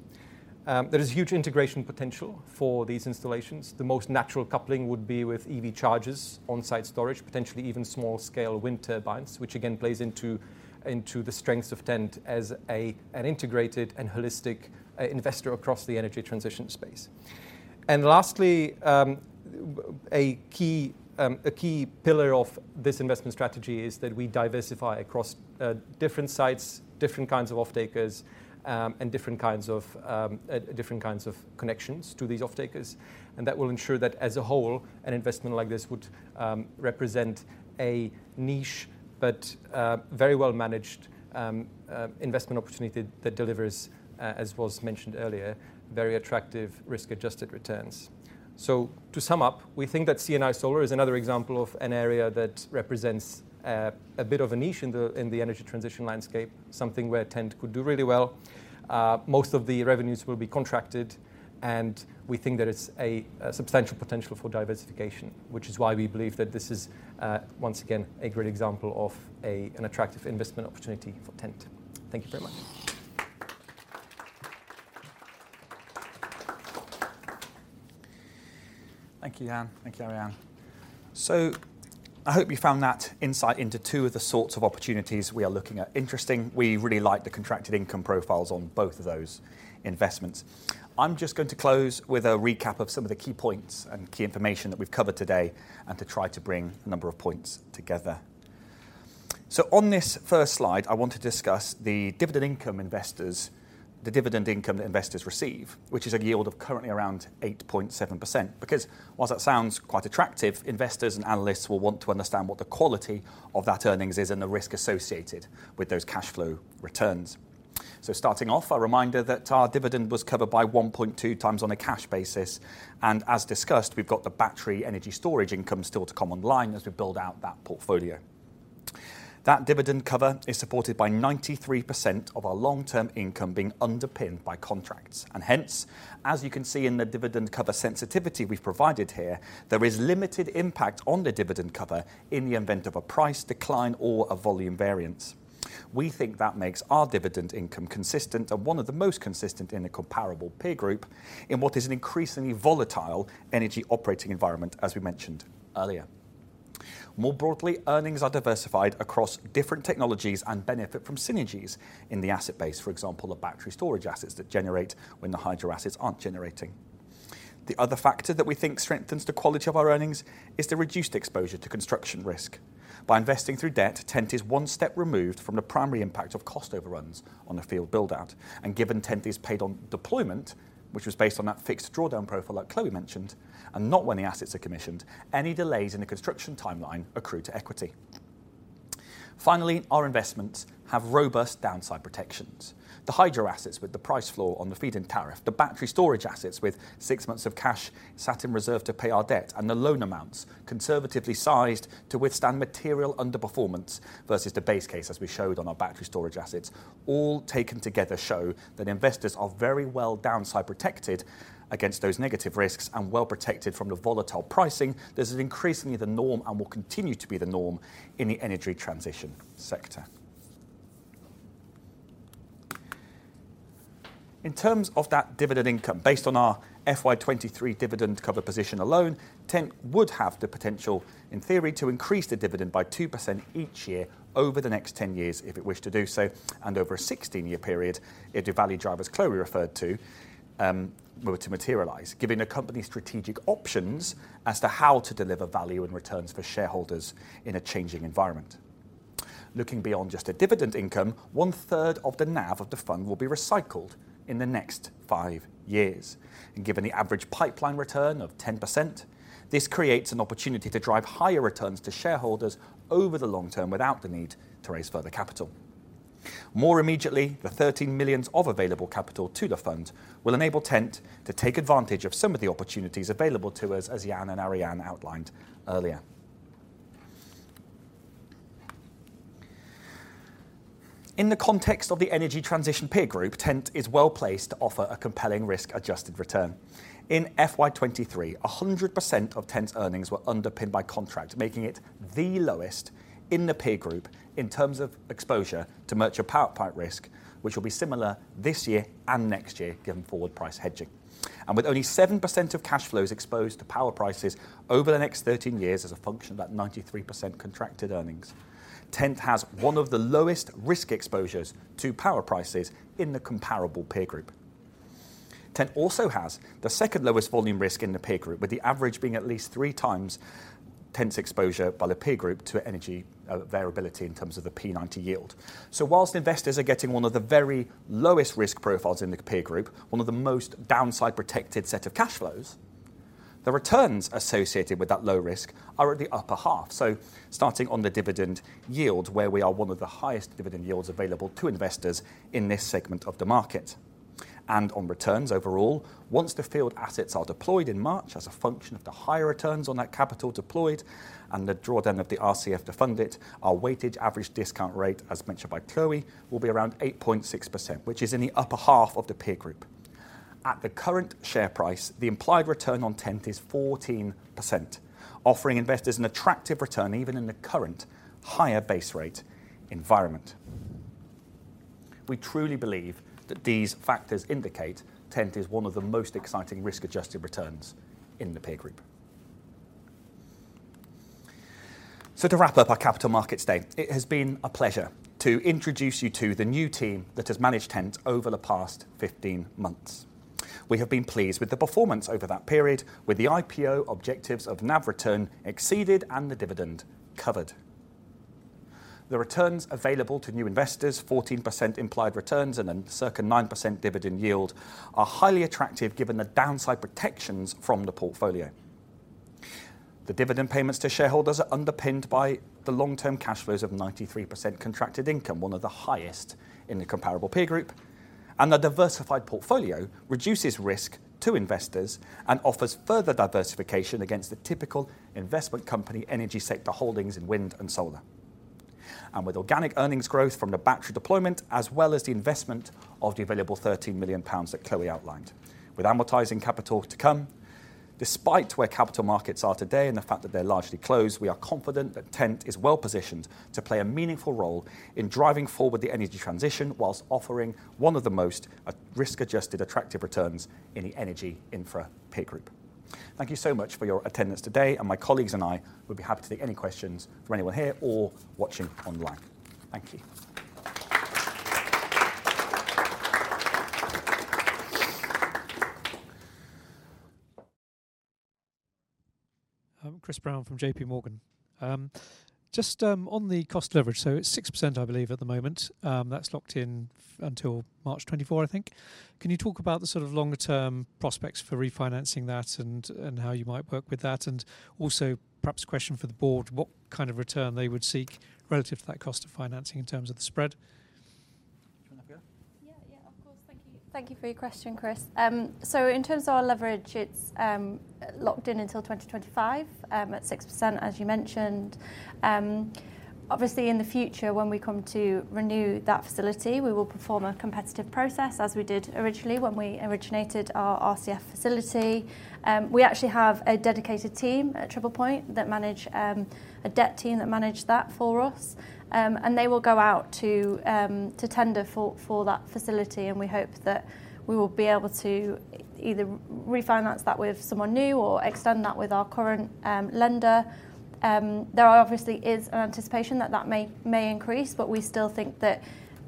There is huge integration potential for these installations. The most natural coupling would be with EV chargers, on-site storage, potentially even small-scale wind turbines, which again plays into the strengths of TENT as an integrated and holistic investor across the energy transition space. And lastly. A key pillar of this investment strategy is that we diversify across different sites, different kinds of off-takers, and different kinds of connections to these off-takers. That will ensure that as a whole, an investment like this would represent a niche, but very well-managed investment opportunity that delivers, as was mentioned earlier, very attractive risk-adjusted returns. To sum up, we think that C&I Solar is another example of an area that represents a bit of a niche in the energy transition landscape, something where TENT could do really well. Most of the revenues will be contracted, and we think that it's a substantial potential for diversification, which is why we believe that this is once again a great example of an attractive investment opportunity for TENT. Thank you very much. Thank you, Jan. Thank you, Ariane. So I hope you found that insight into two of the sorts of opportunities we are looking at interesting. We really like the contracted income profiles on both of those investments. I'm just going to close with a recap of some of the key points and key information that we've covered today, and to try to bring a number of points together. So on this first slide, I want to discuss the dividend income investors, the dividend income that investors receive, which is a yield of currently around 8.7%. Because whilst that sounds quite attractive, investors and analysts will want to understand what the quality of that earnings is and the risk associated with those cash flow returns. So starting off, a reminder that our dividend was covered by 1.2x on a cash basis, and as discussed, we've got the battery energy storage income still to come online as we build out that portfolio. That dividend cover is supported by 93% of our long-term income being underpinned by contracts, and hence, as you can see in the dividend cover sensitivity we've provided here, there is limited impact on the dividend cover in the event of a price decline or a volume variance. We think that makes our dividend income consistent and one of the most consistent in a comparable peer group, in what is an increasingly volatile energy operating environment, as we mentioned earlier. More broadly, earnings are diversified across different technologies and benefit from synergies in the asset base, for example, the battery storage assets that generate when the hydro assets aren't generating. The other factor that we think strengthens the quality of our earnings is the reduced exposure to construction risk. By investing through debt, TENT is one step removed from the primary impact of cost overruns on the Field build-out, and given TENT is paid on deployment, which was based on that fixed drawdown profile that Chloe mentioned, and not when the assets are commissioned, any delays in the construction timeline accrue to equity. Finally, our investments have robust downside protections. The hydro assets with the price floor on the Feed-in Tariff, the battery storage assets with six months of cash sat in reserve to pay our debt, and the loan amounts conservatively sized to withstand material underperformance versus the base case, as we showed on our battery storage assets, all taken together show that investors are very well downside protected against those negative risks and well protected from the volatile pricing that is increasingly the norm and will continue to be the norm in the energy transition sector. In terms of that dividend income, based on our FY 2023 dividend cover position alone, TENT would have the potential, in theory, to increase the dividend by 2% each year over the next 10 years if it wished to do so, and over a 16-year period, if the value drivers Chloe referred to were to materialize, giving the company strategic options as to how to deliver value and returns for shareholders in a changing environment. Looking beyond just a dividend income, one-third of the NAV of the fund will be recycled in the next 5 years. And given the average pipeline return of 10%, this creates an opportunity to drive higher returns to shareholders over the long term without the need to raise further capital. More immediately, the 13 million of available capital to the fund will enable TENT to take advantage of some of the opportunities available to us, as Jan and Ariane outlined earlier. In the context of the energy transition peer group, TENT is well-placed to offer a compelling risk-adjusted return. In FY 2023, 100% of TENT's earnings were underpinned by contract, making it the lowest in the peer group in terms of exposure to merchant power price risk, which will be similar this year and next year, given forward price hedging. And with only 7% of cash flows exposed to power prices over the next 13 years as a function of that 93% contracted earnings, TENT has one of the lowest risk exposures to power prices in the comparable peer group. TENT also has the second lowest volume risk in the peer group, with the average being at least three times TENT's exposure by the peer group to energy variability in terms of the P90 yield. So whilst investors are getting one of the very lowest risk profiles in the peer group, one of the most downside protected set of cash flows, the returns associated with that low risk are at the upper half. So starting on the dividend yield, where we are one of the highest dividend yields available to investors in this segment of the market. On returns overall, once the Field assets are deployed in March as a function of the higher returns on that capital deployed and the drawdown of the RCF to fund it, our weighted average discount rate, as mentioned by Chloe, will be around 8.6%, which is in the upper half of the peer group. At the current share price, the implied return on TENT is 14%, offering investors an attractive return even in the current higher base rate environment. We truly believe that these factors indicate TENT is one of the most exciting risk-adjusted returns in the peer group.... To wrap up our capital markets day, it has been a pleasure to introduce you to the new team that has managed TENT over the past 15 months. We have been pleased with the performance over that period, with the IPO objectives of NAV return exceeded and the dividend covered. The returns available to new investors, 14% implied returns and a circa 9% dividend yield, are highly attractive given the downside protections from the portfolio. The dividend payments to shareholders are underpinned by the long-term cash flows of 93% contracted income, one of the highest in the comparable peer group, and the diversified portfolio reduces risk to investors and offers further diversification against the typical investment company energy sector holdings in wind and solar. And with organic earnings growth from the battery deployment, as well as the investment of the available GBP 13 million that Chloe outlined. With amortizing capital to come, despite where capital markets are today and the fact that they're largely closed, we are confident that TENT is well-positioned to play a meaningful role in driving forward the energy transition, while offering one of the most, risk-adjusted, attractive returns in the energy infra peer group. Thank you so much for your attendance today, and my colleagues and I would be happy to take any questions from anyone here or watching online. Thank you. Chris Brown from J.P. Morgan. Just, on the cost leverage, so it's 6%, I believe, at the moment. That's locked in until March 2024, I think. Can you talk about the sort of longer term prospects for refinancing that and, and how you might work with that? And also, perhaps a question for the board, what kind of return they would seek relative to that cost of financing in terms of the spread? Do you want to go? Yeah. Yeah, of course. Thank you. Thank you for your question, Chris. So in terms of our leverage, it's locked in until 2025 at 6%, as you mentioned. Obviously, in the future, when we come to renew that facility, we will perform a competitive process, as we did originally when we originated our RCF facility. We actually have a dedicated team at Triple Point that manage a debt team that manage that for us. And they will go out to tender for that facility, and we hope that we will be able to either refinance that with someone new or extend that with our current lender. There is obviously an anticipation that may increase, but we still think that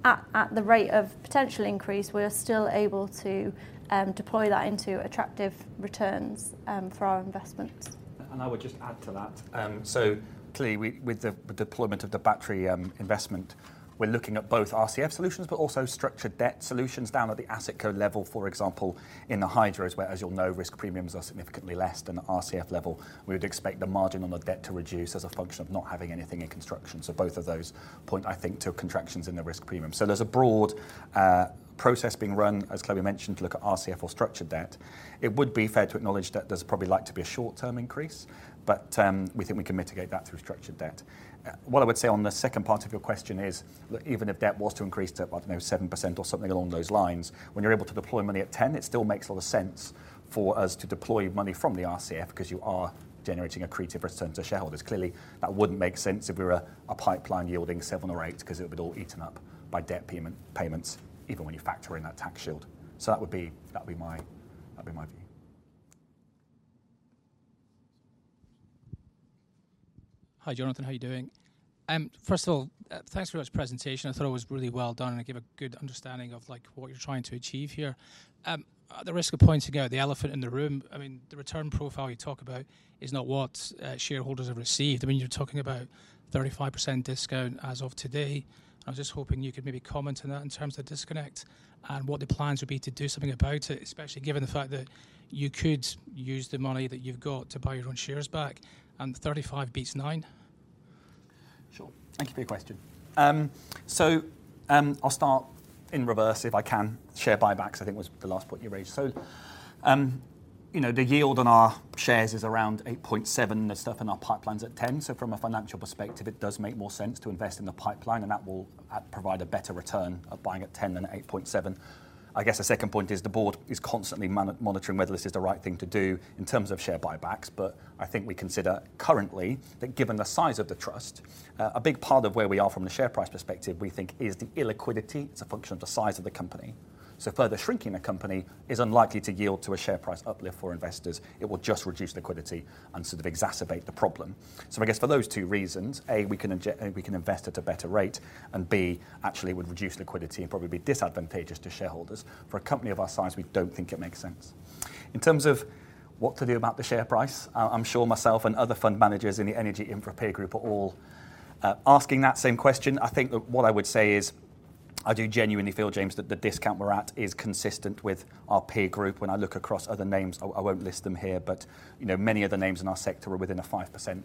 at the rate of potential increase, we're still able to deploy that into attractive returns for our investments. And I would just add to that. So clearly, we, with the deployment of the battery investment, we're looking at both RCF solutions, but also structured debt solutions down at the asset co level, for example, in the hydros, where, as you'll know, risk premiums are significantly less than the RCF level. We would expect the margin on the debt to reduce as a function of not having anything in construction, so both of those point, I think, to contractions in the risk premium. So there's a broad process being run, as Chloe mentioned, to look at RCF or structured debt. It would be fair to acknowledge that there's probably like to be a short-term increase, but we think we can mitigate that through structured debt. What I would say on the second part of your question is, look, even if debt was to increase to, I don't know, 7% or something along those lines, when you're able to deploy money at 10, it still makes a lot of sense for us to deploy money from the RCF because you are generating accretive return to shareholders. Clearly, that wouldn't make sense if we were a pipeline yielding 7 or 8, because it would all eaten up by debt payments, even when you factor in that tax shield. So that would be, that would be my, that'd be my view. Hi, Jonathan. How are you doing? First of all, thanks for this presentation. I thought it was really well done, and it gave a good understanding of, like, what you're trying to achieve here. At the risk of pointing out the elephant in the room, I mean, the return profile you talk about is not what shareholders have received. I mean, you're talking about 35% discount as of today. I was just hoping you could maybe comment on that in terms of disconnect and what the plans would be to do something about it, especially given the fact that you could use the money that you've got to buy your own shares back, and 35 beats 9. Sure. Thank you for your question. So, I'll start in reverse, if I can. Share buybacks, I think, was the last point you raised. So, you know, the yield on our shares is around 8.7, the stuff in our pipeline's at 10. So from a financial perspective, it does make more sense to invest in the pipeline, and that will provide a better return of buying at 10 than 8.7. I guess the second point is the board is constantly monitoring whether this is the right thing to do in terms of share buybacks, but I think we consider currently, that given the size of the trust, a big part of where we are from the share price perspective, we think is the illiquidity. It's a function of the size of the company. So further shrinking the company is unlikely to yield to a share price uplift for investors. It will just reduce liquidity and sort of exacerbate the problem. So I guess for those two reasons, A, we can inject—we can invest at a better rate, and B, actually it would reduce liquidity and probably be disadvantageous to shareholders. For a company of our size, we don't think it makes sense. In terms of what to do about the share price, I, I'm sure myself and other fund managers in the energy infra peer group are all asking that same question. I think that what I would say is, I do genuinely feel, James, that the discount we're at is consistent with our peer group. When I look across other names, I won't list them here, but you know, many of the names in our sector are within a 5%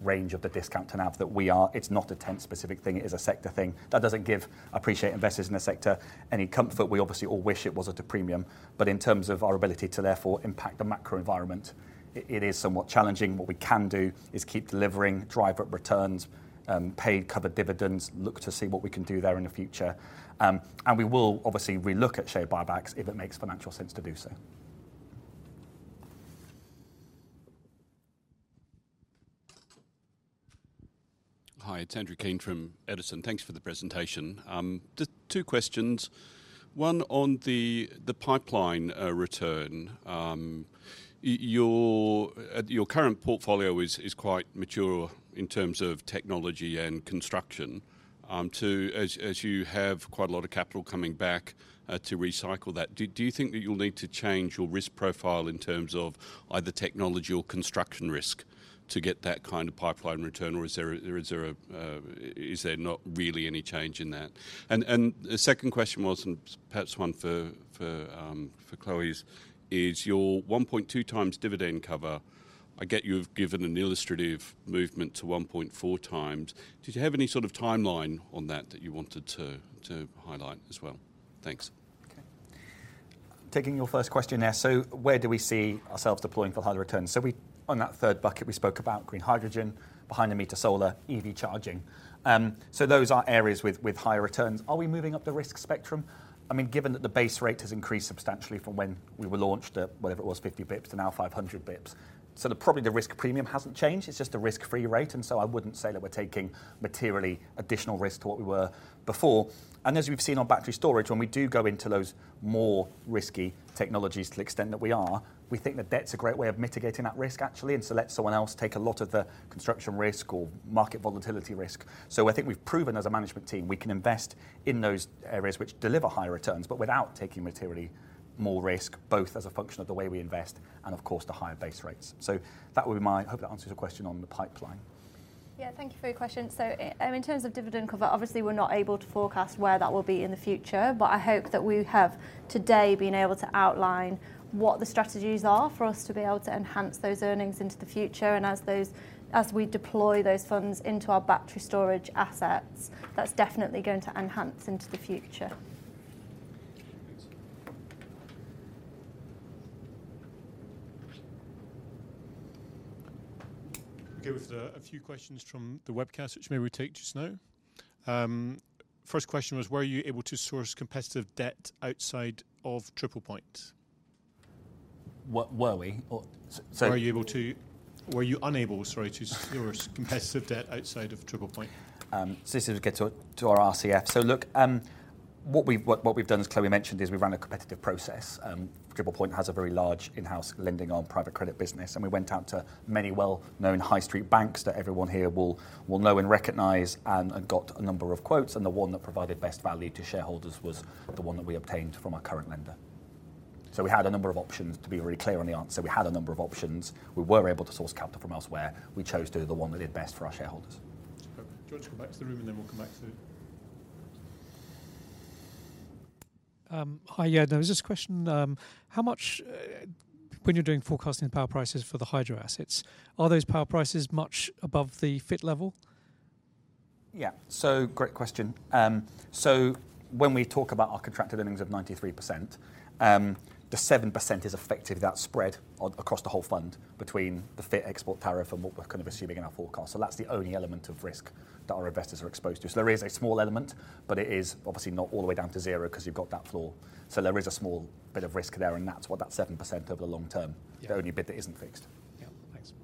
range of the discount to NAV that we are. It's not a TENT-specific thing. It is a sector thing. That doesn't give investors in the sector any comfort. We obviously all wish it was at a premium, but in terms of our ability to therefore impact the macro environment, it is somewhat challenging. What we can do is keep delivering, drive up returns, pay covered dividends, look to see what we can do there in the future. And we will obviously re-look at share buybacks if it makes financial sense to do so. Hi, it's Andrew Keen from Edison. Thanks for the presentation. Just two questions. One on the pipeline return. Your current portfolio is quite mature in terms of technology and construction. As you have quite a lot of capital coming back to recycle that, do you think that you'll need to change your risk profile in terms of either technology or construction risk to get that kind of pipeline return, or is there not really any change in that? And the second question was, and perhaps one for Chloe, is your 1.2 times dividend cover; I get you've given an illustrative movement to 1.4 times. Did you have any sort of timeline on that, that you wanted to, to highlight as well? Thanks. Okay. Taking your first question there: so where do we see ourselves deploying for higher returns? So we on that third bucket, we spoke about green hydrogen, behind the meter solar, EV charging. So those are areas with higher returns. Are we moving up the risk spectrum? I mean, given that the base rate has increased substantially from when we were launched at, whatever it was, 50 basis points to now 500 basis points. So probably the risk premium hasn't changed. It's just a risk-free rate, and so I wouldn't say that we're taking materially additional risk to what we were before. As we've seen on battery storage, when we do go into those more risky technologies, to the extent that we are, we think that debt's a great way of mitigating that risk, actually, and to let someone else take a lot of the construction risk or market volatility risk. So I think we've proven, as a management team, we can invest in those areas which deliver higher returns, but without taking materially more risk, both as a function of the way we invest and, of course, the higher base rates. So that would be my... hope that answers your question on the pipeline. Yeah, thank you for your question. So, in terms of dividend cover, obviously, we're not able to forecast where that will be in the future, but I hope that we have today been able to outline what the strategies are for us to be able to enhance those earnings into the future. And as we deploy those funds into our battery storage assets, that's definitely going to enhance into the future. Thanks. We'll go with a few questions from the webcast, which maybe we'll take just now. First question was: Were you able to source competitive debt outside of Triple Point? What were we? Or so- Were you unable, sorry, to source competitive debt outside of Triple Point? So this is getting to our RCF. So look, what we've done, as Chloe mentioned, is we ran a competitive process. Triple Point has a very large in-house lending arm private credit business, and we went out to many well-known high street banks that everyone here will know and recognize, and got a number of quotes, and the one that provided best value to shareholders was the one that we obtained from our current lender. So we had a number of options, to be very clear on the answer. We had a number of options. We were able to source capital from elsewhere. We chose to do the one that did best for our shareholders. Okay. Do you want to go back to the room, and then we'll come back to you? Hi, yeah. There was this question: How much, when you're doing forecasting power prices for the hydro assets, are those power prices much above the FIT level? Yeah. So great question. So when we talk about our contracted earnings of 93%, the 7% is effectively that spread across the whole fund between the FIT export tariff and what we're kind of assuming in our forecast. So that's the only element of risk that our investors are exposed to. So there is a small element, but it is obviously not all the way down to zero because you've got that floor. So there is a small bit of risk there, and that's what that 7% over the long term- Yeah. - the only bit that isn't fixed. Yeah. Thanks.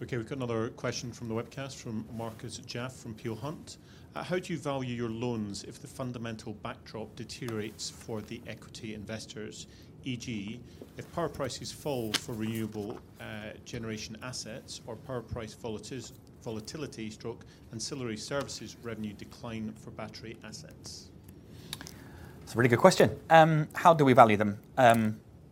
Okay, we've got another question from the webcast, from Marcus Jaffe, from Peel Hunt: How do you value your loans if the fundamental backdrop deteriorates for the equity investors, e.g., if power prices fall for renewable generation assets or power price volatility/ancillary services revenue decline for battery assets? It's a really good question. How do we value them?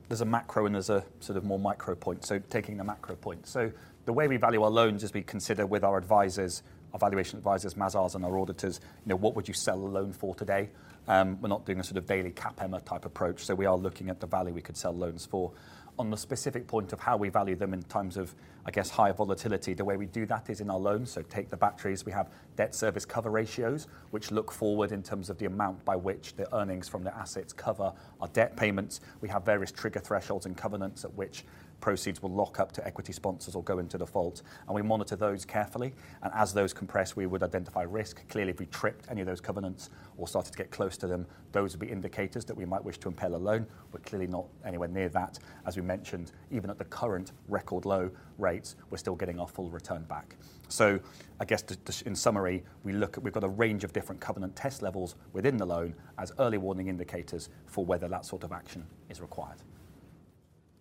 There's a macro and there's a sort of more micro point, so taking the macro point. So the way we value our loans is we consider with our advisors, our valuation advisors, Mazars, and our auditors, you know, what would you sell a loan for today? We're not doing a sort of daily CAPM type approach, so we are looking at the value we could sell loans for. On the specific point of how we value them in terms of, I guess, higher volatility, the way we do that is in our loans. So take the batteries, we have debt service coverage ratios, which look forward in terms of the amount by which the earnings from the assets cover our debt payments. We have various trigger thresholds and covenants at which proceeds will lock up to equity sponsors or go into default, and we monitor those carefully, and as those compress, we would identify risk. Clearly, if we tripped any of those covenants or started to get close to them, those would be indicators that we might wish to impair a loan. We're clearly not anywhere near that. As we mentioned, even at the current record low rates, we're still getting our full return back. So I guess just, just in summary, we look at... We've got a range of different covenant test levels within the loan as early warning indicators for whether that sort of action is required.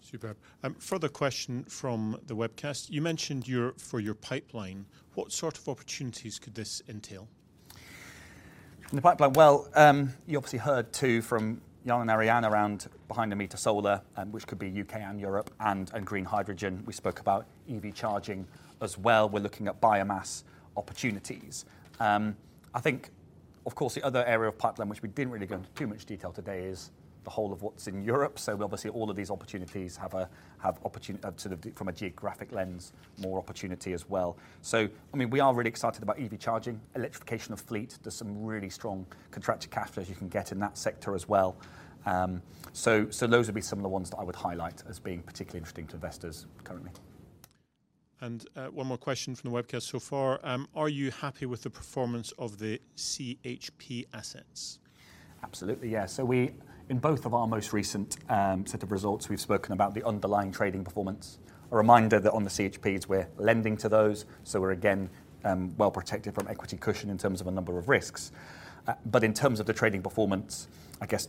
Superb. Further question from the webcast: You mentioned your, for your pipeline, what sort of opportunities could this entail? In the pipeline? Well, you obviously heard, too, from Jan and Ariane around behind the meter solar, which could be U.K and Europe and, and green hydrogen. We spoke about EV charging as well. We're looking at biomass opportunities. I think, of course, the other area of pipeline, which we didn't really go into too much detail today, is the whole of what's in Europe. So obviously, all of these opportunities have a, have opportunity, sort of from a geographic lens, more opportunity as well. So, I mean, we are really excited about EV charging, electrification of fleet. There's some really strong contracted cash flows you can get in that sector as well. So, so those would be some of the ones that I would highlight as being particularly interesting to investors currently.... And, one more question from the webcast so far. Are you happy with the performance of the CHP assets? Absolutely, yes. So we, in both of our most recent set of results, we've spoken about the underlying trading performance. A reminder that on the CHPs, we're lending to those, so we're again, well protected from equity cushion in terms of a number of risks. But in terms of the trading performance, I guess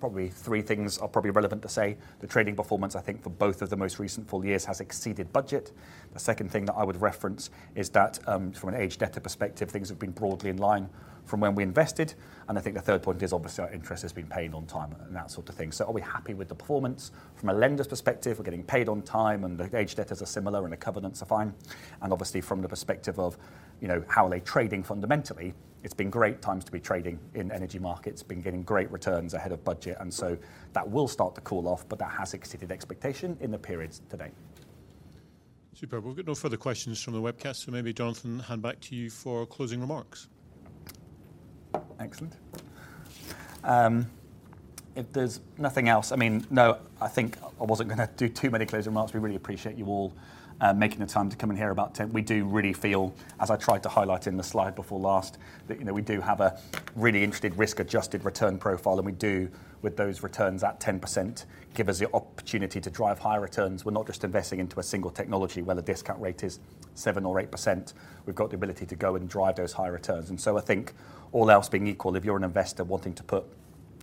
probably three things are probably relevant to say. The trading performance, I think, for both of the most recent full years has exceeded budget. The second thing that I would reference is that, from an aged debtor perspective, things have been broadly in line from when we invested. And I think the third point is obviously our interest has been paid on time and that sort of thing. So are we happy with the performance? From a lender's perspective, we're getting paid on time, and the aged debtors are similar, and the covenants are fine. And obviously, from the perspective of, you know, how are they trading fundamentally, it's been great times to be trading in energy markets, been getting great returns ahead of budget, and so that will start to cool off, but that has exceeded expectation in the periods to date. Superb. We've got no further questions from the webcast, so maybe, Jonathan, hand back to you for closing remarks. Excellent. If there's nothing else, I mean, no, I think I wasn't gonna do too many closing remarks. We really appreciate you all making the time to come in here about 10. We do really feel, as I tried to highlight in the slide before last, that, you know, we do have a really interesting risk-adjusted return profile, and we do, with those returns at 10%, give us the opportunity to drive higher returns. We're not just investing into a single technology where the discount rate is 7% or 8%. We've got the ability to go and drive those higher returns. And so I think all else being equal, if you're an investor wanting to put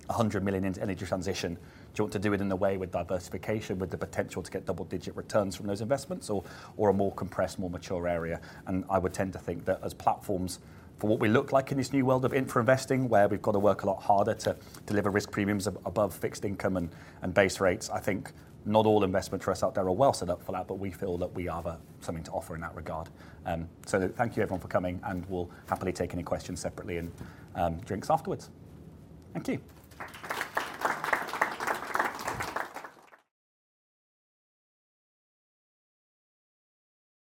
100 million into energy transition, do you want to do it in a way with diversification, with the potential to get double-digit returns from those investments or, or a more compressed, more mature area? I would tend to think that as platforms for what we look like in this new world of infra investing, where we've got to work a lot harder to deliver risk premiums above fixed income and base rates, I think not all investment trusts out there are well set up for that, but we feel that we have something to offer in that regard. So thank you, everyone, for coming, and we'll happily take any questions separately and drinks afterwards. Thank you.